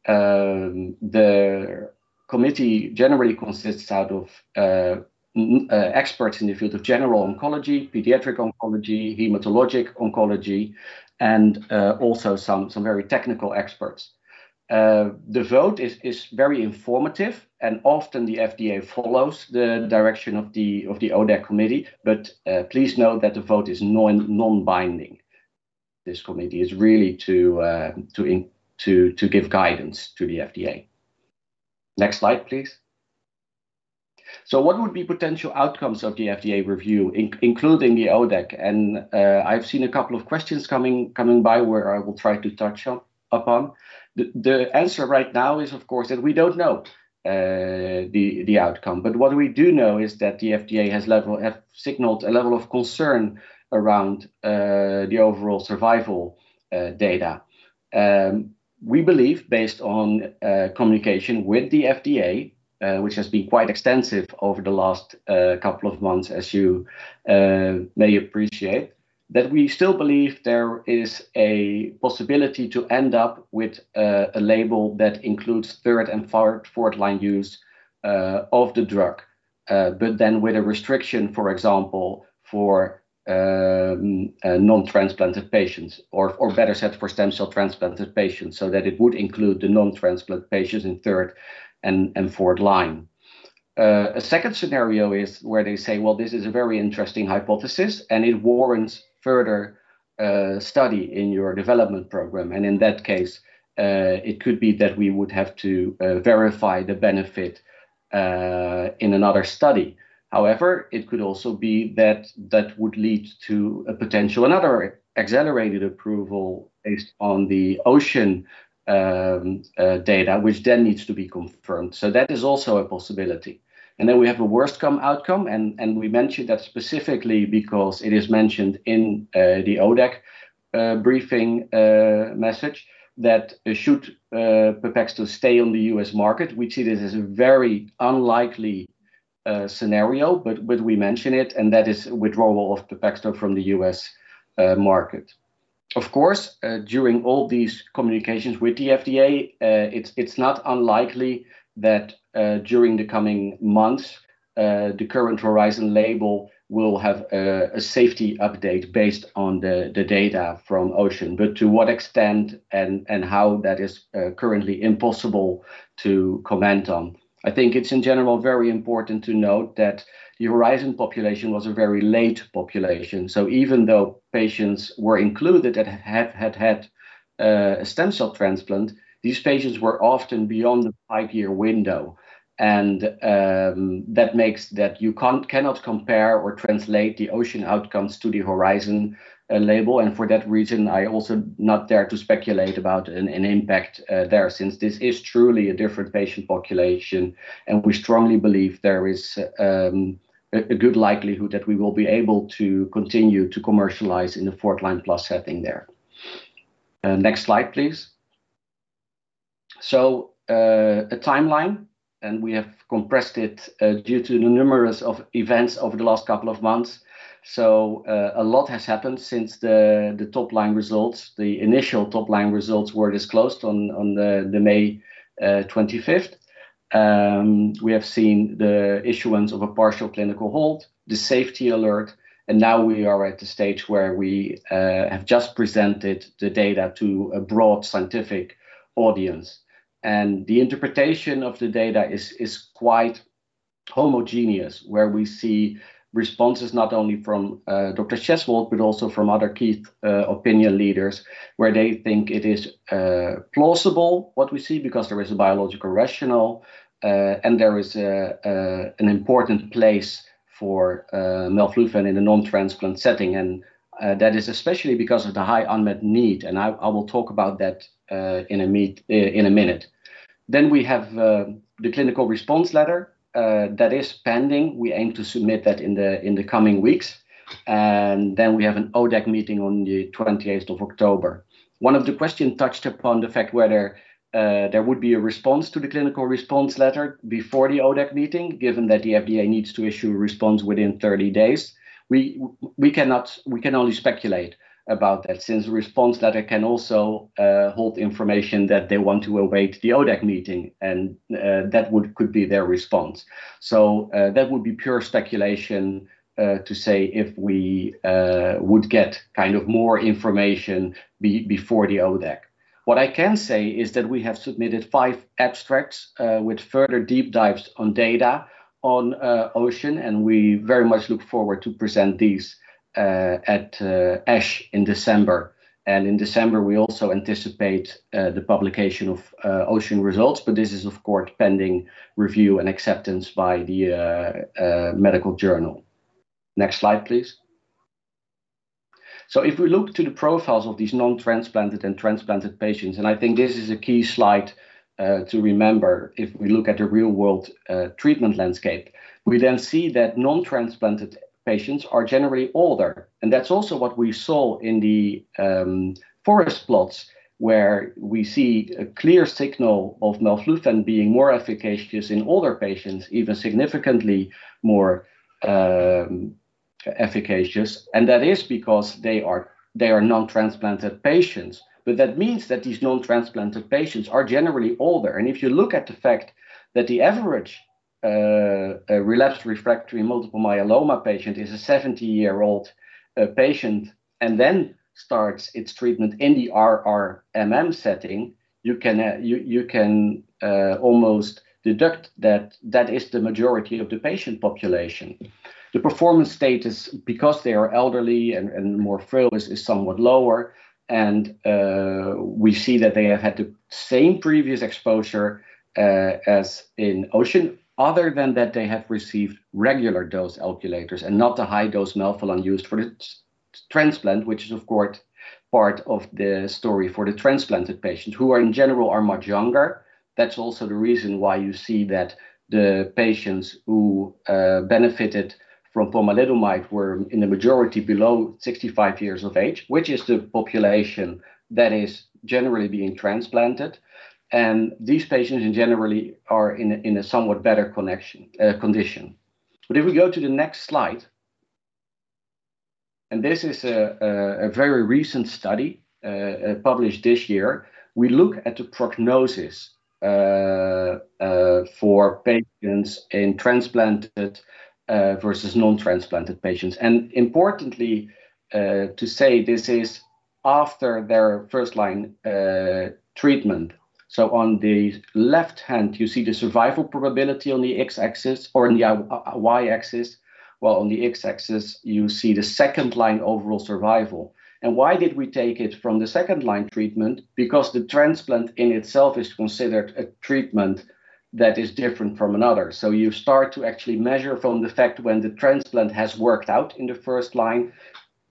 [SPEAKER 2] The committee generally consists out of experts in the field of general oncology, pediatric oncology, hematologic oncology, and also some very technical experts. The vote is very informative, often the FDA follows the direction of the ODAC committee, but please note that the vote is non-binding. This committee is really to give guidance to the FDA. Next slide, please. What would be potential outcomes of the FDA review, including the ODAC? I've seen a couple of questions coming by where I will try to touch up upon. The answer right now is, of course, that we don't know the outcome. What we do know is that the FDA has signaled a level of concern around the overall survival data. We believe based on communication with the FDA, which has been quite extensive over the last couple of months as you may appreciate, that we still believe there is a possibility to end up with a label that includes third- and fourth-line use of the drug. With a restriction, for example, for non-transplanted patients or better set for stem cell transplanted patients so that it would include the non-transplant patients in third and fourth line. A second scenario is where they say, "Well, this is a very interesting hypothesis, and it warrants further study in your development program." In that case, it could be that we would have to verify the benefit in another study. It could also be that that would lead to a potential, another accelerated approval based on the OCEAN data, which then needs to be confirmed. That is also a possibility. We have a worst-case outcome, and we mentioned that specifically because it is mentioned in the ODAC briefing message that should PEPAXTO stay on the U.S. market, we see this as a very unlikely scenario, but we mention it, and that is withdrawal of PEPAXTO from the U.S. market. Of course, during all these communications with the FDA, it is not unlikely that during the coming months, the current HORIZON label will have a safety update based on the data from OCEAN. To what extent and how, that is currently impossible to comment on. I think it is in general very important to note that the HORIZON population was a very late population. Even though patients were included that had stem cell transplant, these patients were often beyond the five-year window. That makes that you cannot compare or translate the OCEAN outcomes to the HORIZON label. For that reason, I also not dare to speculate about an impact there since this is truly a different patient population, and we strongly believe there is a good likelihood that we will be able to continue to commercialize in the fourth-line plus setting there. Next slide, please. A timeline, and we have compressed it due to the numerous of events over the last couple of months. A lot has happened since the top-line results, the initial top-line results were disclosed on the May 25th. We have seen the issuance of a partial clinical hold, the safety alert, and now we are at the stage where we have just presented the data to a broad scientific audience. The interpretation of the data is quite homogeneous, where we see responses not only from Dr. Fredrik Schjesvold but also from other key opinion leaders, where they think it is plausible what we see because there is a biological rationale, and there is an important place for melflufen in a non-transplant setting. That is especially because of the high unmet need, and I will talk about that in one minute. We have the clinical response letter that is pending. We aim to submit that in the coming weeks. We have an ODAC meeting on the 28th of October. One of the questions touched upon the fact whether there would be a response to the clinical response letter before the ODAC meeting, given that the FDA needs to issue a response within 30 days. We can only speculate about that, since the response letter can also hold information that they want to await the ODAC meeting, and that could be their response. That would be pure speculation to say if we would get kind of more information before the ODAC. What I can say is that we have submitted five abstracts with further deep dives on data on OCEAN, and we very much look forward to present these at ASH in December. In December, we also anticipate the publication of OCEAN results, this is of course pending review and acceptance by the medical journal. Next slide, please. If we look to the profiles of these non-transplanted and transplanted patients, I think this is a key slide to remember, if we look at the real-world treatment landscape, we see that non-transplanted patients are generally older. That's also what we saw in the forest plots where we see a clear signal of melflufen being more efficacious in older patients, even significantly more efficacious. That is because they are non-transplanted patients. But that means that these non-transplanted patients are generally older. If you look at the fact that the average relapsed refractory multiple myeloma patient is a 70-year-old patient and then starts its treatment in the RRMM setting. You can almost deduct that is the majority of the patient population. The performance status, because they are elderly and more frail, is somewhat lower. We see that they have had the same previous exposure as in OCEAN, other than that they have received regular dose alkylators and not the high-dose melflufen used for the transplant, which is, of course, one of the story for the transplanted patients who are in general much younger. That's also the reason why you see that the patients who benefited from pomalidomide were in the majority below 65 years of age, which is the population that is generally being transplanted. These patients generally are in a somewhat better condition. If we go to the next slide, and this is a very recent study, published this year. On the left hand, you see the survival probability on the y-axis, while on the x-axis, you see the second-line overall survival. Why did we take it from the second-line treatment? Because the transplant in itself is considered a treatment that is different from another. You start to actually measure from the fact when the transplant has worked out in the first line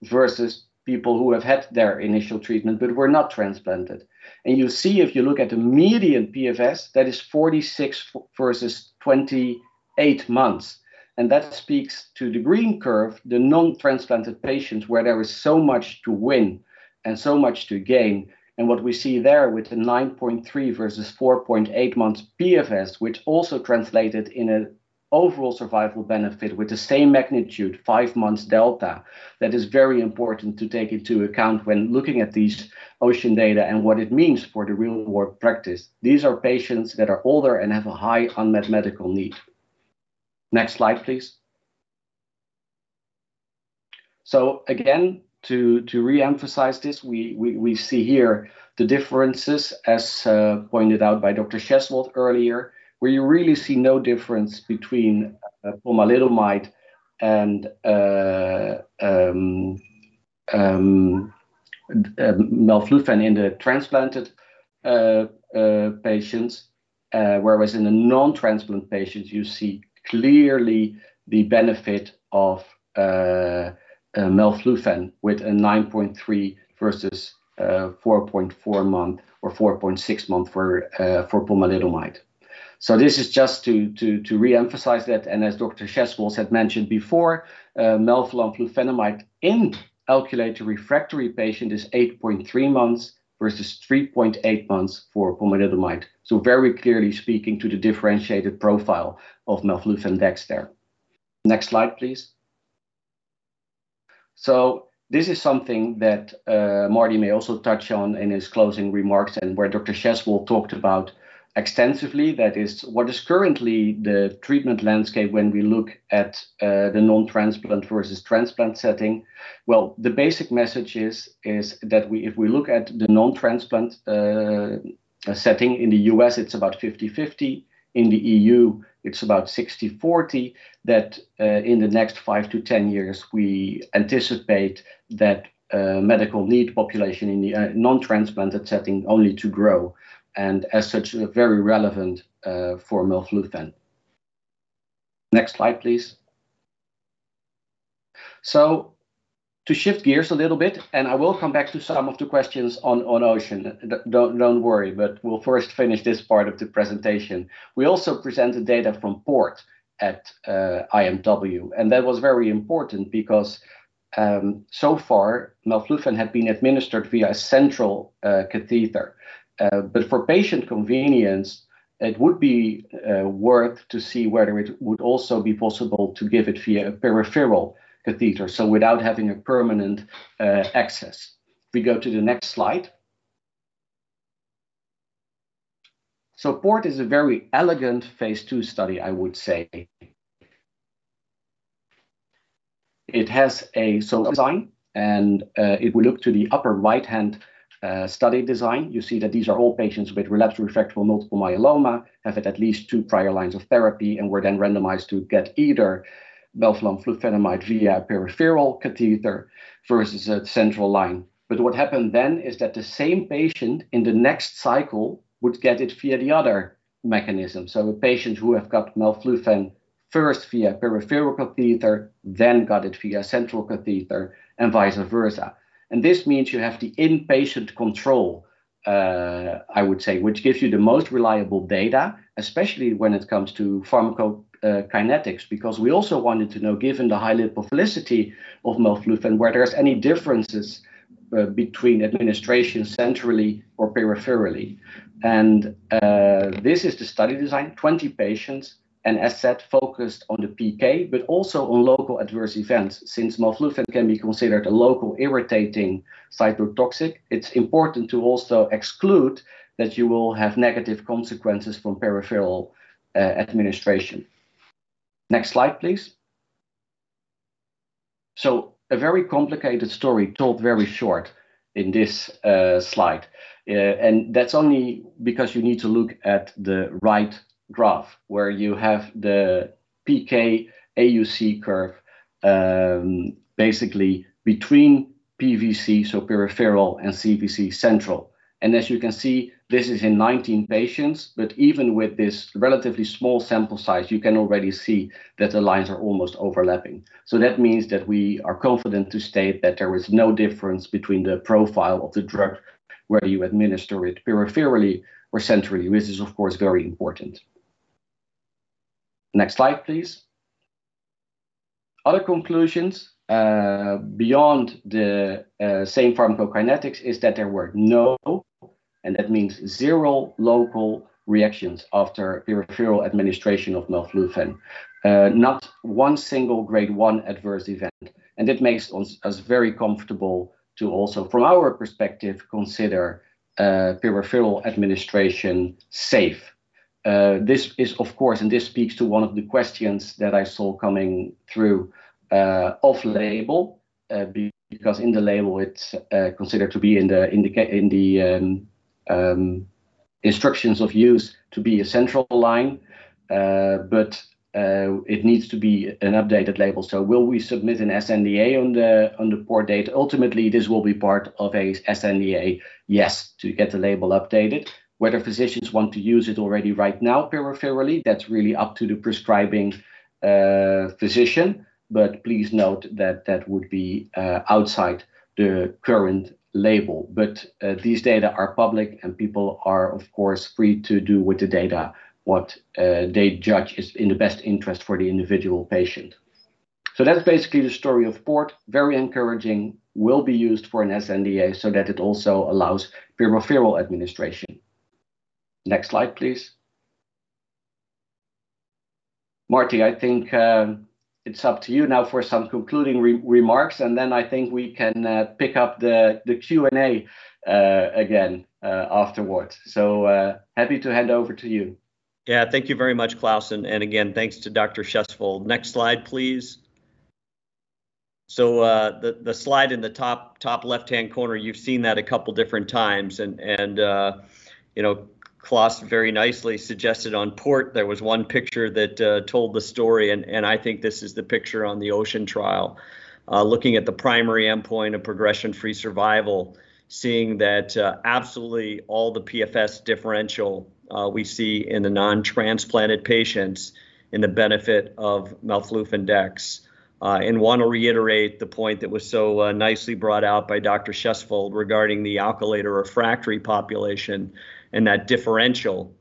[SPEAKER 2] versus people who have had their initial treatment but were not transplanted. You see, if you look at the median PFS, that is 46 versus 28 months. That speaks to the green curve, the non-transplanted patients, where there is so much to win and so much to gain. What we see there with the 9.3 versus 4.8 months PFS, which also translated in an overall survival benefit with the same magnitude, five months delta. That is very important to take into account when looking at these OCEAN data and what it means for the real-world practice. These are patients that are older and have a high unmet medical need. Next slide, please. Again, to reemphasize this, we see here the differences as pointed out by Dr. Fredrik Schjesvold earlier, where you really see no difference between pomalidomide and melflufen in the transplanted patients. Whereas in the non-transplant patients, you see clearly the benefit of melflufen with a 9.3 versus 4.4 month or 4.6 month for pomalidomide. This is just to reemphasize that, and as Dr. Fredrik Schjesvold had mentioned before, melflufen flufenamide in alkylator refractory patient is 8.3 months versus 3.8 months for pomalidomide. Very clearly speaking to the differentiated profile of melflufen dex there. Next slide, please. This is something that Marty may also touch on in his closing remarks and where Dr. Fredrik Schjesvold talked about extensively, that is what is currently the treatment landscape when we look at the non-transplant versus transplant setting. Well, the basic message is that if we look at the non-transplant setting in the U.S., it's about 50/50. In the EU, it's about 60/40, that in the next five to 10 years, we anticipate that medical need population in the non-transplanted setting only to grow, and as such, very relevant for melflufen. Next slide, please. To shift gears a little bit, and I will come back to some of the questions on OCEAN. Don't worry, we'll first finish this part of the presentation. We also presented data from PORT at IMW, and that was very important because so far, melflufen had been administered via central catheter. For patient convenience, it would be worth to see whether it would also be possible to give it via peripheral catheter, so without having a permanent access. We go to the next slide. PORT is a very elegant phase II study, I would say. It has a solid design, and if we look to the upper right-hand study design, you see that these are all patients with relapsed refractory multiple myeloma, have had at least two prior lines of therapy, and were then randomized to get either melflufen flufenamide via peripheral catheter versus a central line. What happened then is that the same patient in the next cycle would get it via the other mechanism. A patient who have got melflufen first via peripheral catheter, then got it via central catheter, and vice versa. This means you have the in-patient control, I would say, which gives you the most reliable data, especially when it comes to pharmacokinetics, because we also wanted to know, given the high lipophilicity of melflufen, whether there's any differences between administration centrally or peripherally. This is the study design, 20 patients, as said, focused on the PK, but also on local adverse events. Since melflufen can be considered a local irritating cytotoxic, it's important to also exclude that you will have negative consequences from peripheral administration. Next slide, please. A very complicated story told very short in this slide. That's only because you need to look at the right graph where you have the PK AUC curve, basically between PVC, so peripheral, and CVC, central. As you can see, this is in 19 patients, but even with this relatively small sample size, you can already see that the lines are almost overlapping. That means that we are confident to state that there is no difference between the profile of the drug, whether you administer it peripherally or centrally, which is of course very important. Next slide, please. Other conclusions beyond the same pharmacokinetics is that there were no, that means zero, local reactions after peripheral administration of melflufen. Not one single grade one adverse event. It makes us very comfortable to also, from our perspective, consider peripheral administration safe. This is of course, and this speaks to 1 of the questions that I saw coming through off-label because in the label it's considered to be in the instructions of use to be a central line, but it needs to be an updated label. Will we submit an sNDA on the PORT data? Ultimately, this will be part of a sNDA, yes, to get the label updated. Whether physicians want to use it already right now peripherally, that's really up to the prescribing physician, but please note that would be outside the current label. These data are public and people are of course, free to do with the data what they judge is in the best interest for the individual patient. That's basically the story of PORT. Very encouraging. Will be used for an sNDA so that it also allows peripheral administration. Next slide, please. Marty, I think it's up to you now for some concluding remarks and then I think we can pick up the Q&A again afterwards. Happy to hand over to you.
[SPEAKER 1] Thank you very much, Klaas. Again, thanks to Dr. Schjesvold. Next slide, please. The slide in the top left-hand corner, you've seen that a couple different times and Klaas very nicely suggested on PORT there was one picture that told the story and I think this is the picture on the OCEAN trial. Looking at the primary endpoint of progression-free survival, seeing that absolutely all the PFS differential we see in the non-transplanted patients in the benefit of melflufen dex. Want to reiterate the point that was so nicely brought out by Dr. Schjesvold regarding the alkylator-refractory population and that differential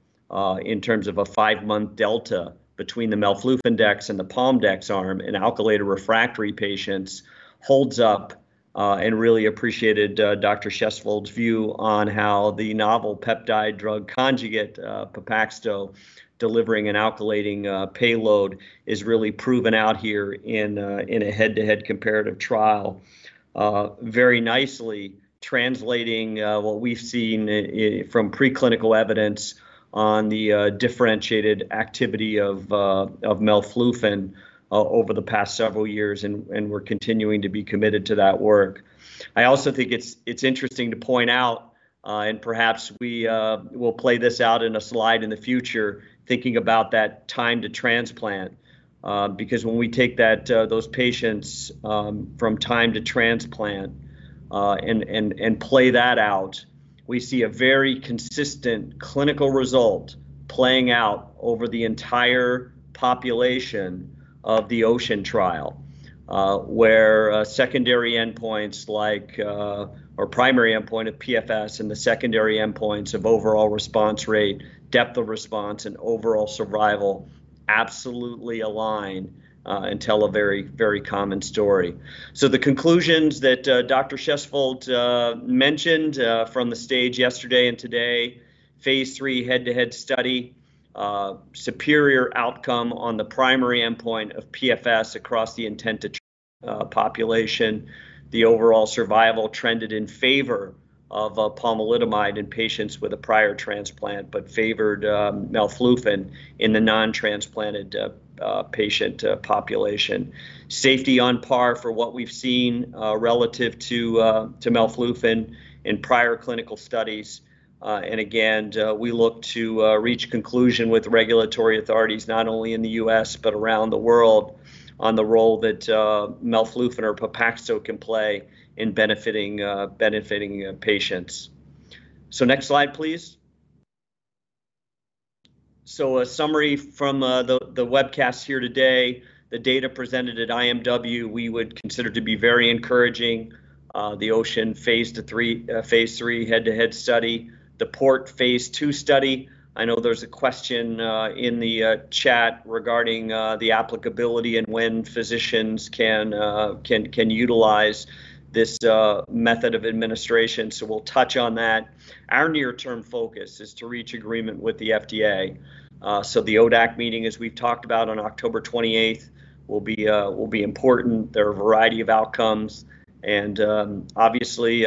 [SPEAKER 1] in terms of a five-month delta between the melflufen dex and the pom dex arm in alkylator-refractory patients holds up. Really appreciated Dr. Fredrik Schjesvold's view on how the novel peptide-drug conjugate, PEPAXTO, delivering an alkylating payload is really proven out here in a head-to-head comparative trial very nicely translating what we've seen from preclinical evidence on the differentiated activity of melflufen over the past several years and we're continuing to be committed to that work. I also think it's interesting to point out, and perhaps we will play this out in a slide in the future, thinking about that time to transplant. When we take those patients from time to transplant and play that out, we see a very consistent clinical result playing out over the entire population of the OCEAN trial where secondary endpoints or primary endpoint of PFS and the secondary endpoints of overall response rate, depth of response and overall survival absolutely align and tell a very common story. The conclusions that Dr. Schjesvold mentioned from the stage yesterday and today, phase III head-to-head study, superior outcome on the primary endpoint of PFS across the intent-to-treat population. The overall survival trended in favor of pomalidomide in patients with a prior transplant, but favored melflufen in the non-transplanted patient population. Safety on par for what we've seen relative to melflufen in prior clinical studies. Again, we look to reach conclusion with regulatory authorities, not only in the U.S. but around the world on the role that melflufen or PEPAXTO can play in benefiting patients. Next slide, please. A summary from the webcast here today. The data presented at IMW we would consider to be very encouraging. The OCEAN phase III head-to-head study, the PORT phase II study. I know there's a question in the chat regarding the applicability and when physicians can utilize this method of administration, so we'll touch on that. Our near-term focus is to reach agreement with the FDA. The ODAC meeting, as we've talked about, on October 28th will be important. There are a variety of outcomes and obviously,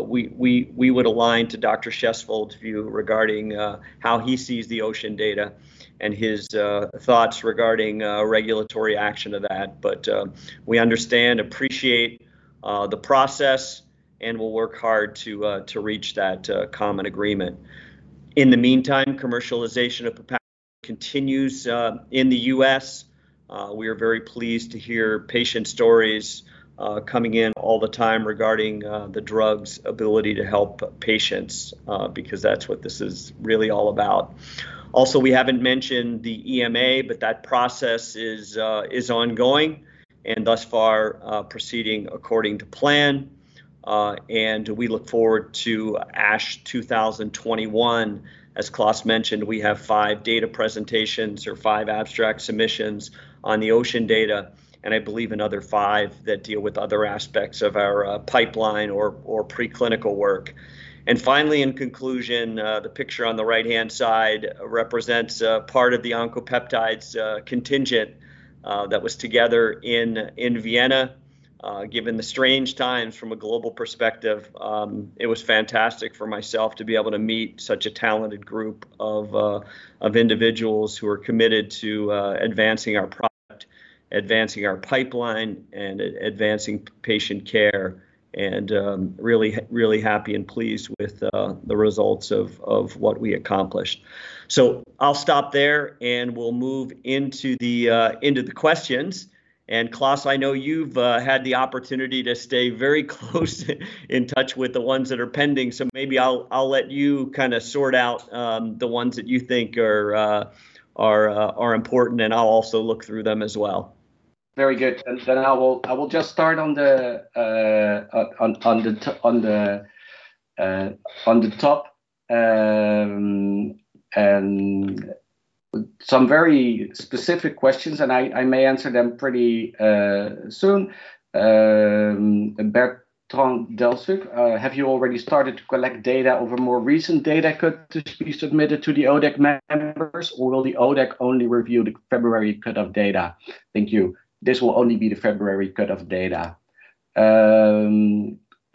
[SPEAKER 1] we would align to Dr. Schjesvold's view regarding how he sees the OCEAN data and his thoughts regarding regulatory action of that. We understand, appreciate the process and we'll work hard to reach that common agreement. In the meantime, commercialization of continues in the U.S. We are very pleased to hear patient stories coming in all the time regarding the drug's ability to help patients, because that's what this is really all about. We haven't mentioned the EMA, but that process is ongoing and thus far proceeding according to plan. We look forward to ASH 2021. As Klaas mentioned, we have five data presentations or five abstract submissions on the OCEAN data, and I believe another five that deal with other aspects of our pipeline or pre-clinical work. Finally, in conclusion, the picture on the right-hand side represents part of the Oncopeptides contingent that was together in Vienna. Given the strange times from a global perspective, it was fantastic for myself to be able to meet such a talented group of individuals who are committed to advancing our product, advancing our pipeline, and advancing patient care, and really happy and pleased with the results of what we accomplished. I'll stop there, and we'll move into the questions. Klaas, I know you've had the opportunity to stay very close in touch with the ones that are pending, so maybe I'll let you sort out the ones that you think are important, and I'll also look through them as well.
[SPEAKER 2] Very good. I will just start on the top. Some very specific questions, and I may answer them pretty soon. Bertrand Deldicque, have you already started to collect data over more recent data cut to be submitted to the ODAC members, or will the ODAC only review the February cut of data? Thank you. This will only be the February cut of data.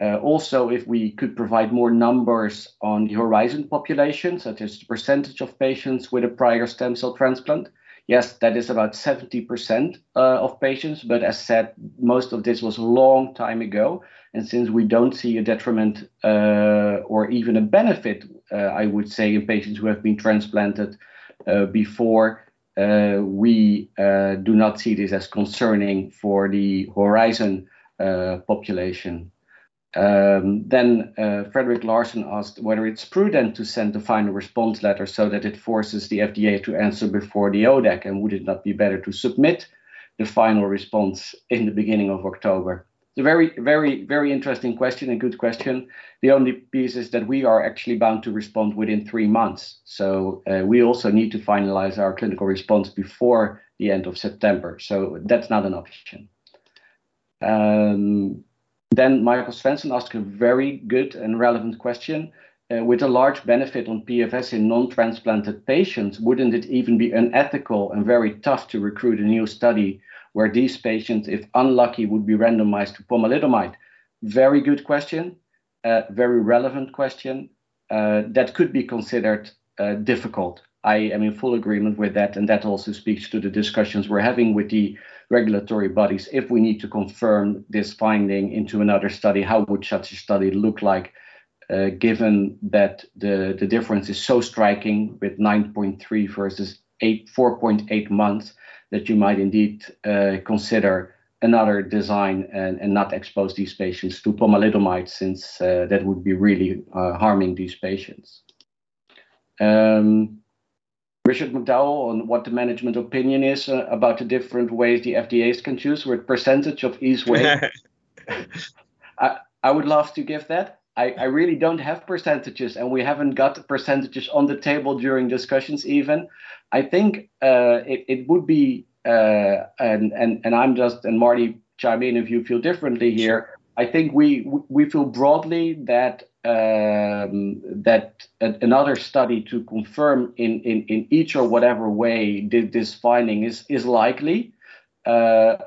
[SPEAKER 2] If we could provide more numbers on the HORIZON population, such as the percentage of patients with a prior stem cell transplant. Yes, that is about 70% of patients, but as said, most of this was a long time ago. Since we don't see a detriment or even a benefit, I would say, in patients who have been transplanted before, we do not see this as concerning for the HORIZON population. Fredrik Jacobson asked whether it's prudent to send the final response letter so that it forces the FDA to answer before the ODAC and would it not be better to submit the final response in the beginning of October? It's a very interesting question and good question. The only piece is that we are actually bound to respond within three months. We also need to finalize our clinical response before the end of September. That's not an option. Michael Svensson asked a very good and relevant question. With a large benefit on PFS in non-transplanted patients, wouldn't it even be unethical and very tough to recruit a new study where these patients, if unlucky, would be randomized to pomalidomide? Very good question. Very relevant question. That could be considered difficult. I am in full agreement with that, and that also speaks to the discussions we're having with the regulatory bodies if we need to confirm this finding into another study, how would such a study look like, given that the difference is so striking with 9.3 versus 4.8 months, that you might indeed consider another design and not expose these patients to pomalidomide since that would be really harming these patients. Richard McDowell on what the management opinion is about the different ways the FDA can choose, what percentage of each way. I would love to give that. I really don't have percentages, and we haven't got percentages on the table during discussions even. I think it would be, and Marty, chime in if you feel differently here. I think we feel broadly that another study to confirm in each or whatever way this finding is likely. Whether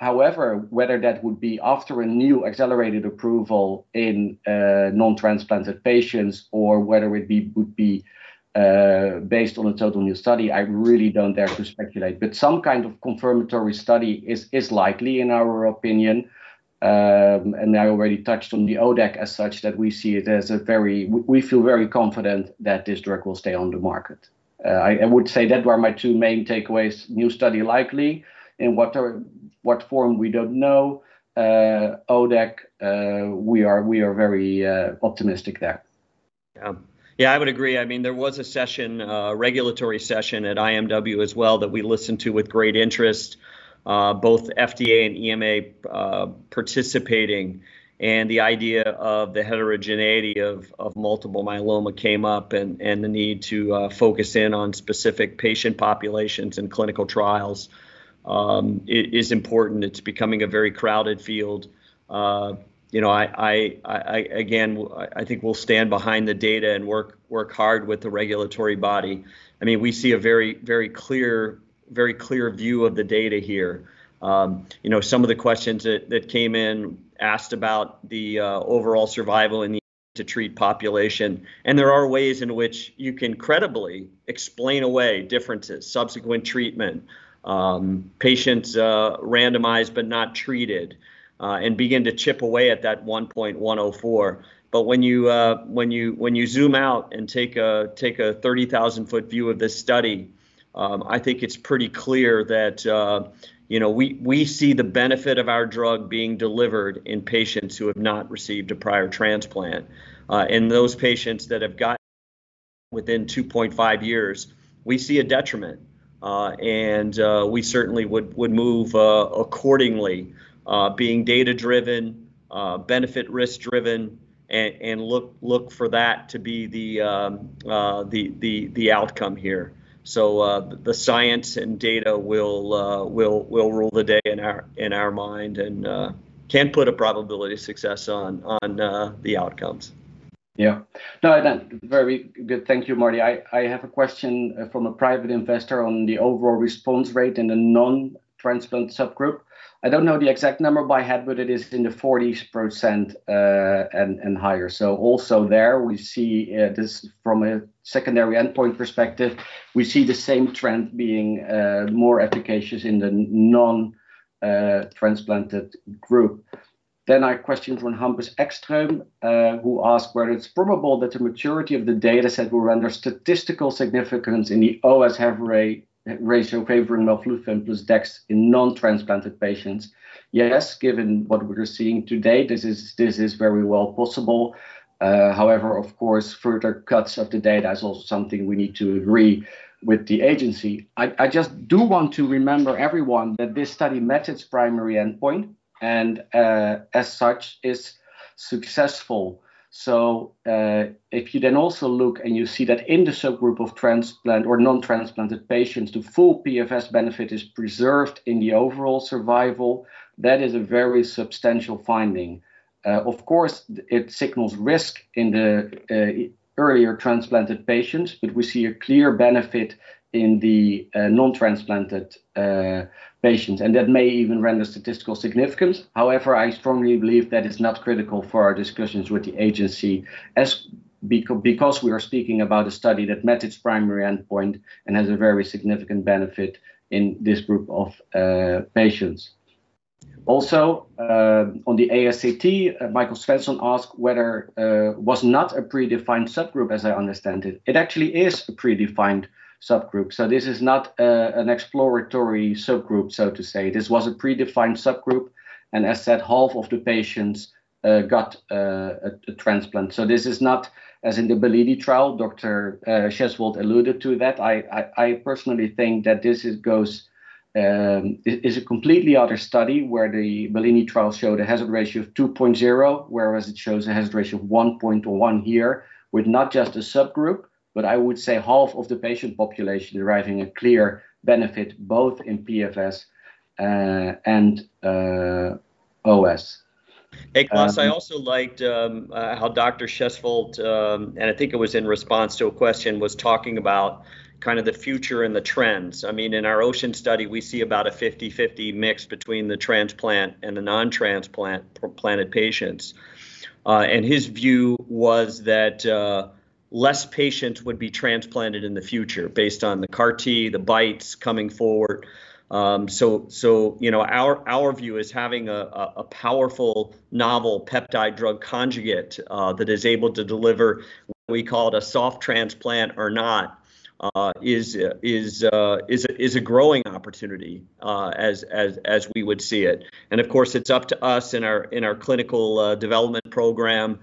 [SPEAKER 2] that would be after a new accelerated approval in non-transplanted patients or whether it would be based on a total new study, I really don't dare to speculate. Some kind of confirmatory study is likely in our opinion. I already touched on the ODAC as such that we feel very confident that this drug will stay on the market. I would say that were my two main takeaways, new study likely. In what form, we don't know. ODAC, we are very optimistic there.
[SPEAKER 1] Yeah, I would agree. There was a regulatory session at IMW as well that we listened to with great interest, both FDA and EMA participating. The idea of the heterogeneity of multiple myeloma came up and the need to focus in on specific patient populations in clinical trials is important. It's becoming a very crowded field. Again, I think we'll stand behind the data and work hard with the regulatory body. We see a very clear view of the data here. Some of the questions that came in asked about the overall survival in the ITT population. There are ways in which you can credibly explain away differences, subsequent treatment, patients randomized but not treated, and begin to chip away at that 1.104. When you zoom out and take a 30,000-foot view of this study, I think it's pretty clear that we see the benefit of our drug being delivered in patients who have not received a prior transplant. In those patients that have got within 2.5 years, we see a detriment. We certainly would move accordingly, being data-driven, benefit risk-driven, and look for that to be the outcome here. The science and data will rule the day in our mind and can put a probability of success on the outcomes.
[SPEAKER 2] Yeah. No, very good. Thank you, Marty. I have a question from a private investor on the overall response rate in the non-transplant subgroup. I don't know the exact number by head, but it is in the 40% and higher. Also there, we see this from a secondary endpoint perspective. We see the same trend being more efficacious in the non-transplanted group. A question from Hampus Ekström, who asked whether it's probable that the maturity of the data set will render statistical significance in the OS hazard ratio favoring melflufen plus dex in non-transplanted patients. Yes, given what we are seeing today, this is very well possible. However, of course, further cuts of the data is also something we need to agree with the agency. I just do want to remember everyone that this study met its primary endpoint and, as such, is successful. If you then also look and you see that in the subgroup of transplant or non-transplanted patients, the full PFS benefit is preserved in the overall survival, that is a very substantial finding. Of course, it signals risk in the earlier transplanted patients, but we see a clear benefit in the non-transplanted patients, and that may even render statistical significance. However, I strongly believe that it's not critical for our discussions with the agency because we are speaking about a study that met its primary endpoint and has a very significant benefit in this group of patients. Also, on the ASCT, Michael Svensson asked whether was not a predefined subgroup, as I understand it. It actually is a predefined subgroup. This is not an exploratory subgroup, so to say. This was a predefined subgroup, and as said, half of the patients got a transplant. This is not as in the BELLINI trial. Dr. Fredrik Schjesvold alluded to that. I personally think that this is a completely other study where the BELLINI trial showed a hazard ratio of 2.0, whereas it shows a hazard ratio of 1.1 here with not just a subgroup, but I would say half of the patient population deriving a clear benefit both in PFS and OS.
[SPEAKER 1] Hey, Klaas, I also liked how Dr. Schjesvold, and I think it was in response to a question, was talking about kind of the future and the trends. In our OCEAN study, we see about a 50/50 mix between the transplant and the non-transplant patients. His view was that less patients would be transplanted in the future based on the CAR-T, the BiTEs coming forward. Our view is having a powerful novel peptide-drug conjugate that is able to deliver, whether we call it a soft transplant or not, is a growing opportunity as we would see it. Of course, it's up to us in our clinical development program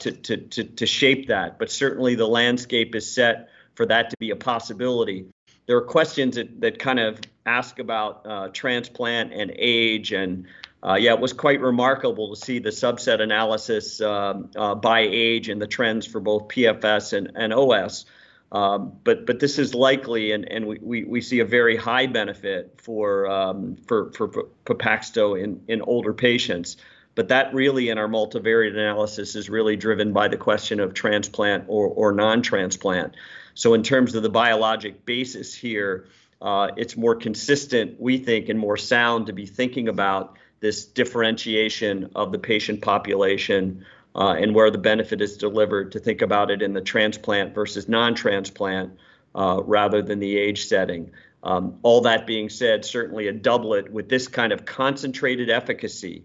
[SPEAKER 1] to shape that. Certainly, the landscape is set for that to be a possibility. There are questions that kind of ask about transplant and age. Yeah, it was quite remarkable to see the subset analysis by age and the trends for both PFS and OS. This is likely, we see a very high benefit for PEPAXTO in older patients. That really, in our multivariate analysis, is really driven by the question of transplant or non-transplant. In terms of the biologic basis here, it's more consistent, we think, and more sound to be thinking about this differentiation of the patient population and where the benefit is delivered to think about it in the transplant versus non-transplant rather than the age setting. All that being said, certainly a doublet with this kind of concentrated efficacy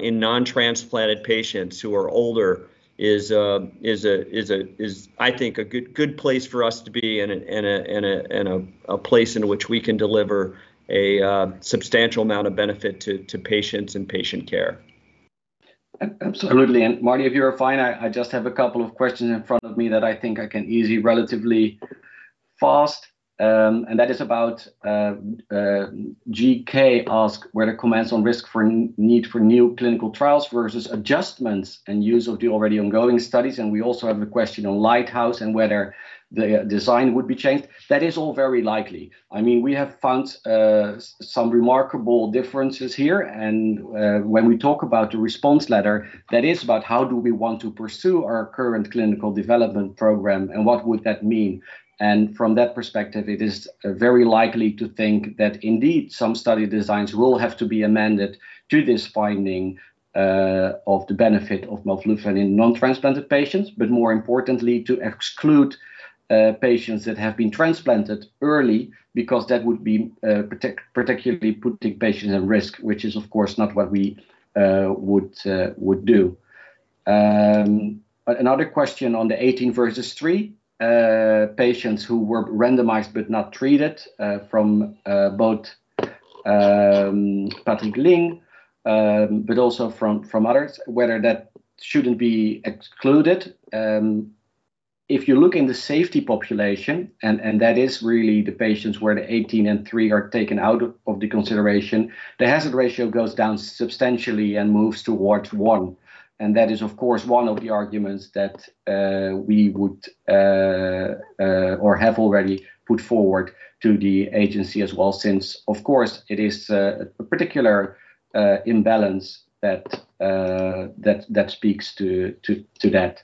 [SPEAKER 1] in non-transplanted patients who are older is, I think, a good place for us to be and a place in which we can deliver a substantial amount of benefit to patients and patient care.
[SPEAKER 2] Absolutely. Marty, if you are fine, I just have a couple of questions in front of me that I think I can easy relatively fast. That is about GK ask whether comments on risk for need for new clinical trials versus adjustments and use of the already ongoing studies. We also have a question on LIGHTHOUSE and whether the design would be changed. That is all very likely. We have found some remarkable differences here, when we talk about the response letter, that is about how do we want to pursue our current clinical development program, what would that mean. From that perspective, it is very likely to think that indeed, some study designs will have to be amended to this finding of the benefit of melflufen in non-transplanted patients, but more importantly, to exclude patients that have been transplanted early, because that would be particularly putting patients at risk, which is, of course, not what we would do. Another question on the 18 versus three patients who were randomized but not treated from both Patrik Ling, but also from others, whether that shouldn't be excluded. If you look in the safety population, and that is really the patients where the 18 and three are taken out of the consideration, the hazard ratio goes down substantially and moves towards one. That is, of course, one of the arguments that we would or have already put forward to the agency as well, since, of course, it is a particular imbalance that speaks to that.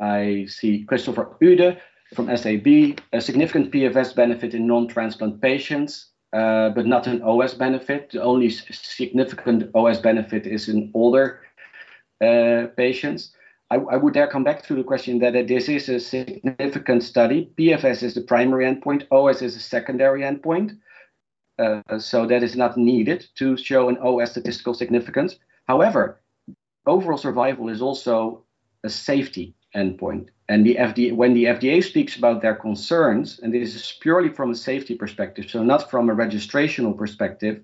[SPEAKER 2] I see Christopher Eude from SEB, a significant PFS benefit in non-transplant patients, but not an OS benefit. The only significant OS benefit is in older patients. I would then come back to the question that this is a significant study. PFS is the primary endpoint, OS is a secondary endpoint, so that is not needed to show an OS statistical significance. However, overall survival is also a safety endpoint. When the FDA speaks about their concerns, and this is purely from a safety perspective, so not from a registrational perspective,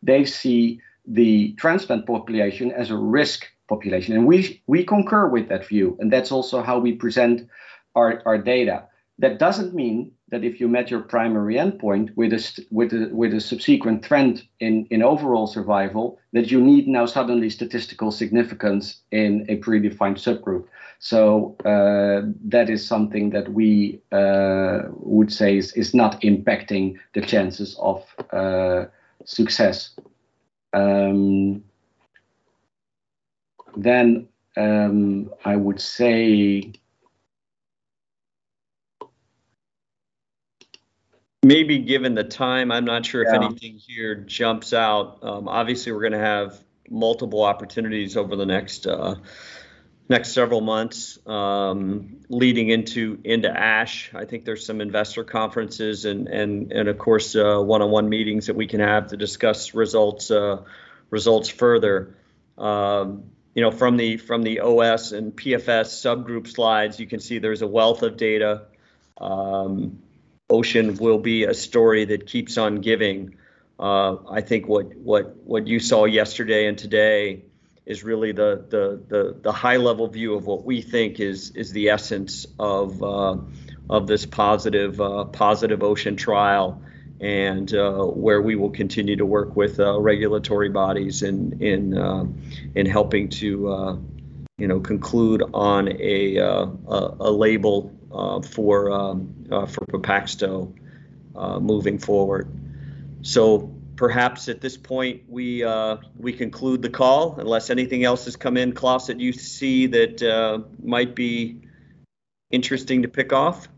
[SPEAKER 2] they see the transplant population as a risk population, and we concur with that view, and that's also how we present our data. That doesn't mean that if you met your primary endpoint with a subsequent trend in overall survival, that you need now suddenly statistical significance in a predefined subgroup. That is something that we would say is not impacting the chances of success. I would say.
[SPEAKER 1] Maybe given the time, I'm not sure if anything here jumps out. We're going to have multiple opportunities over the next several months leading into ASH. I think there's some investor conferences and of course one-on-one meetings that we can have to discuss results further. From the OS and PFS subgroup slides, you can see there's a wealth of data. OCEAN will be a story that keeps on giving. I think what you saw yesterday and today is really the high-level view of what we think is the essence of this positive OCEAN trial and where we will continue to work with regulatory bodies in helping to conclude on a label for PEPAXTO moving forward. Perhaps at this point we conclude the call unless anything else has come in. Klaas, that you see that might be interesting to pick off?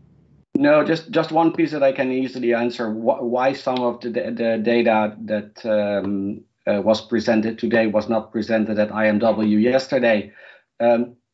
[SPEAKER 2] No, just one piece that I can easily answer. Why some of the data that was presented today was not presented at IMW yesterday.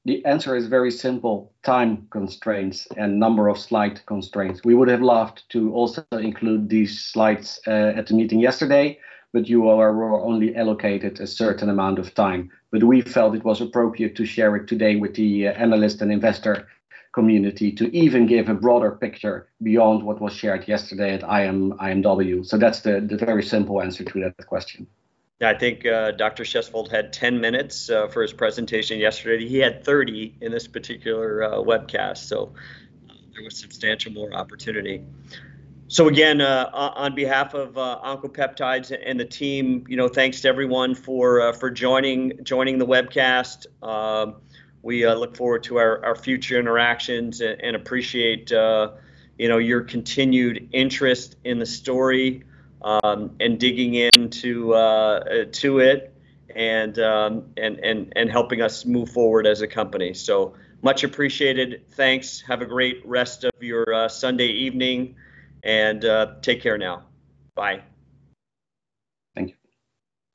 [SPEAKER 2] The answer is very simple, time constraints and number of slide constraints. We would have loved to also include these slides at the meeting yesterday, you are only allocated a certain amount of time. We felt it was appropriate to share it today with the analyst and investor community to even give a broader picture beyond what was shared yesterday at IMW. That's the very simple answer to that question.
[SPEAKER 1] I think Dr. Fredrik Schjesvold had 10 minutes for his presentation yesterday. He had 30 in this particular webcast, so there was substantial more opportunity. Again, on behalf of Oncopeptides and the team, thanks to everyone for joining the webcast. We look forward to our future interactions and appreciate your continued interest in the story and digging into it and helping us move forward as a company. Much appreciated. Thanks. Have a great rest of your Sunday evening, and take care now. Bye.
[SPEAKER 2] Thank you.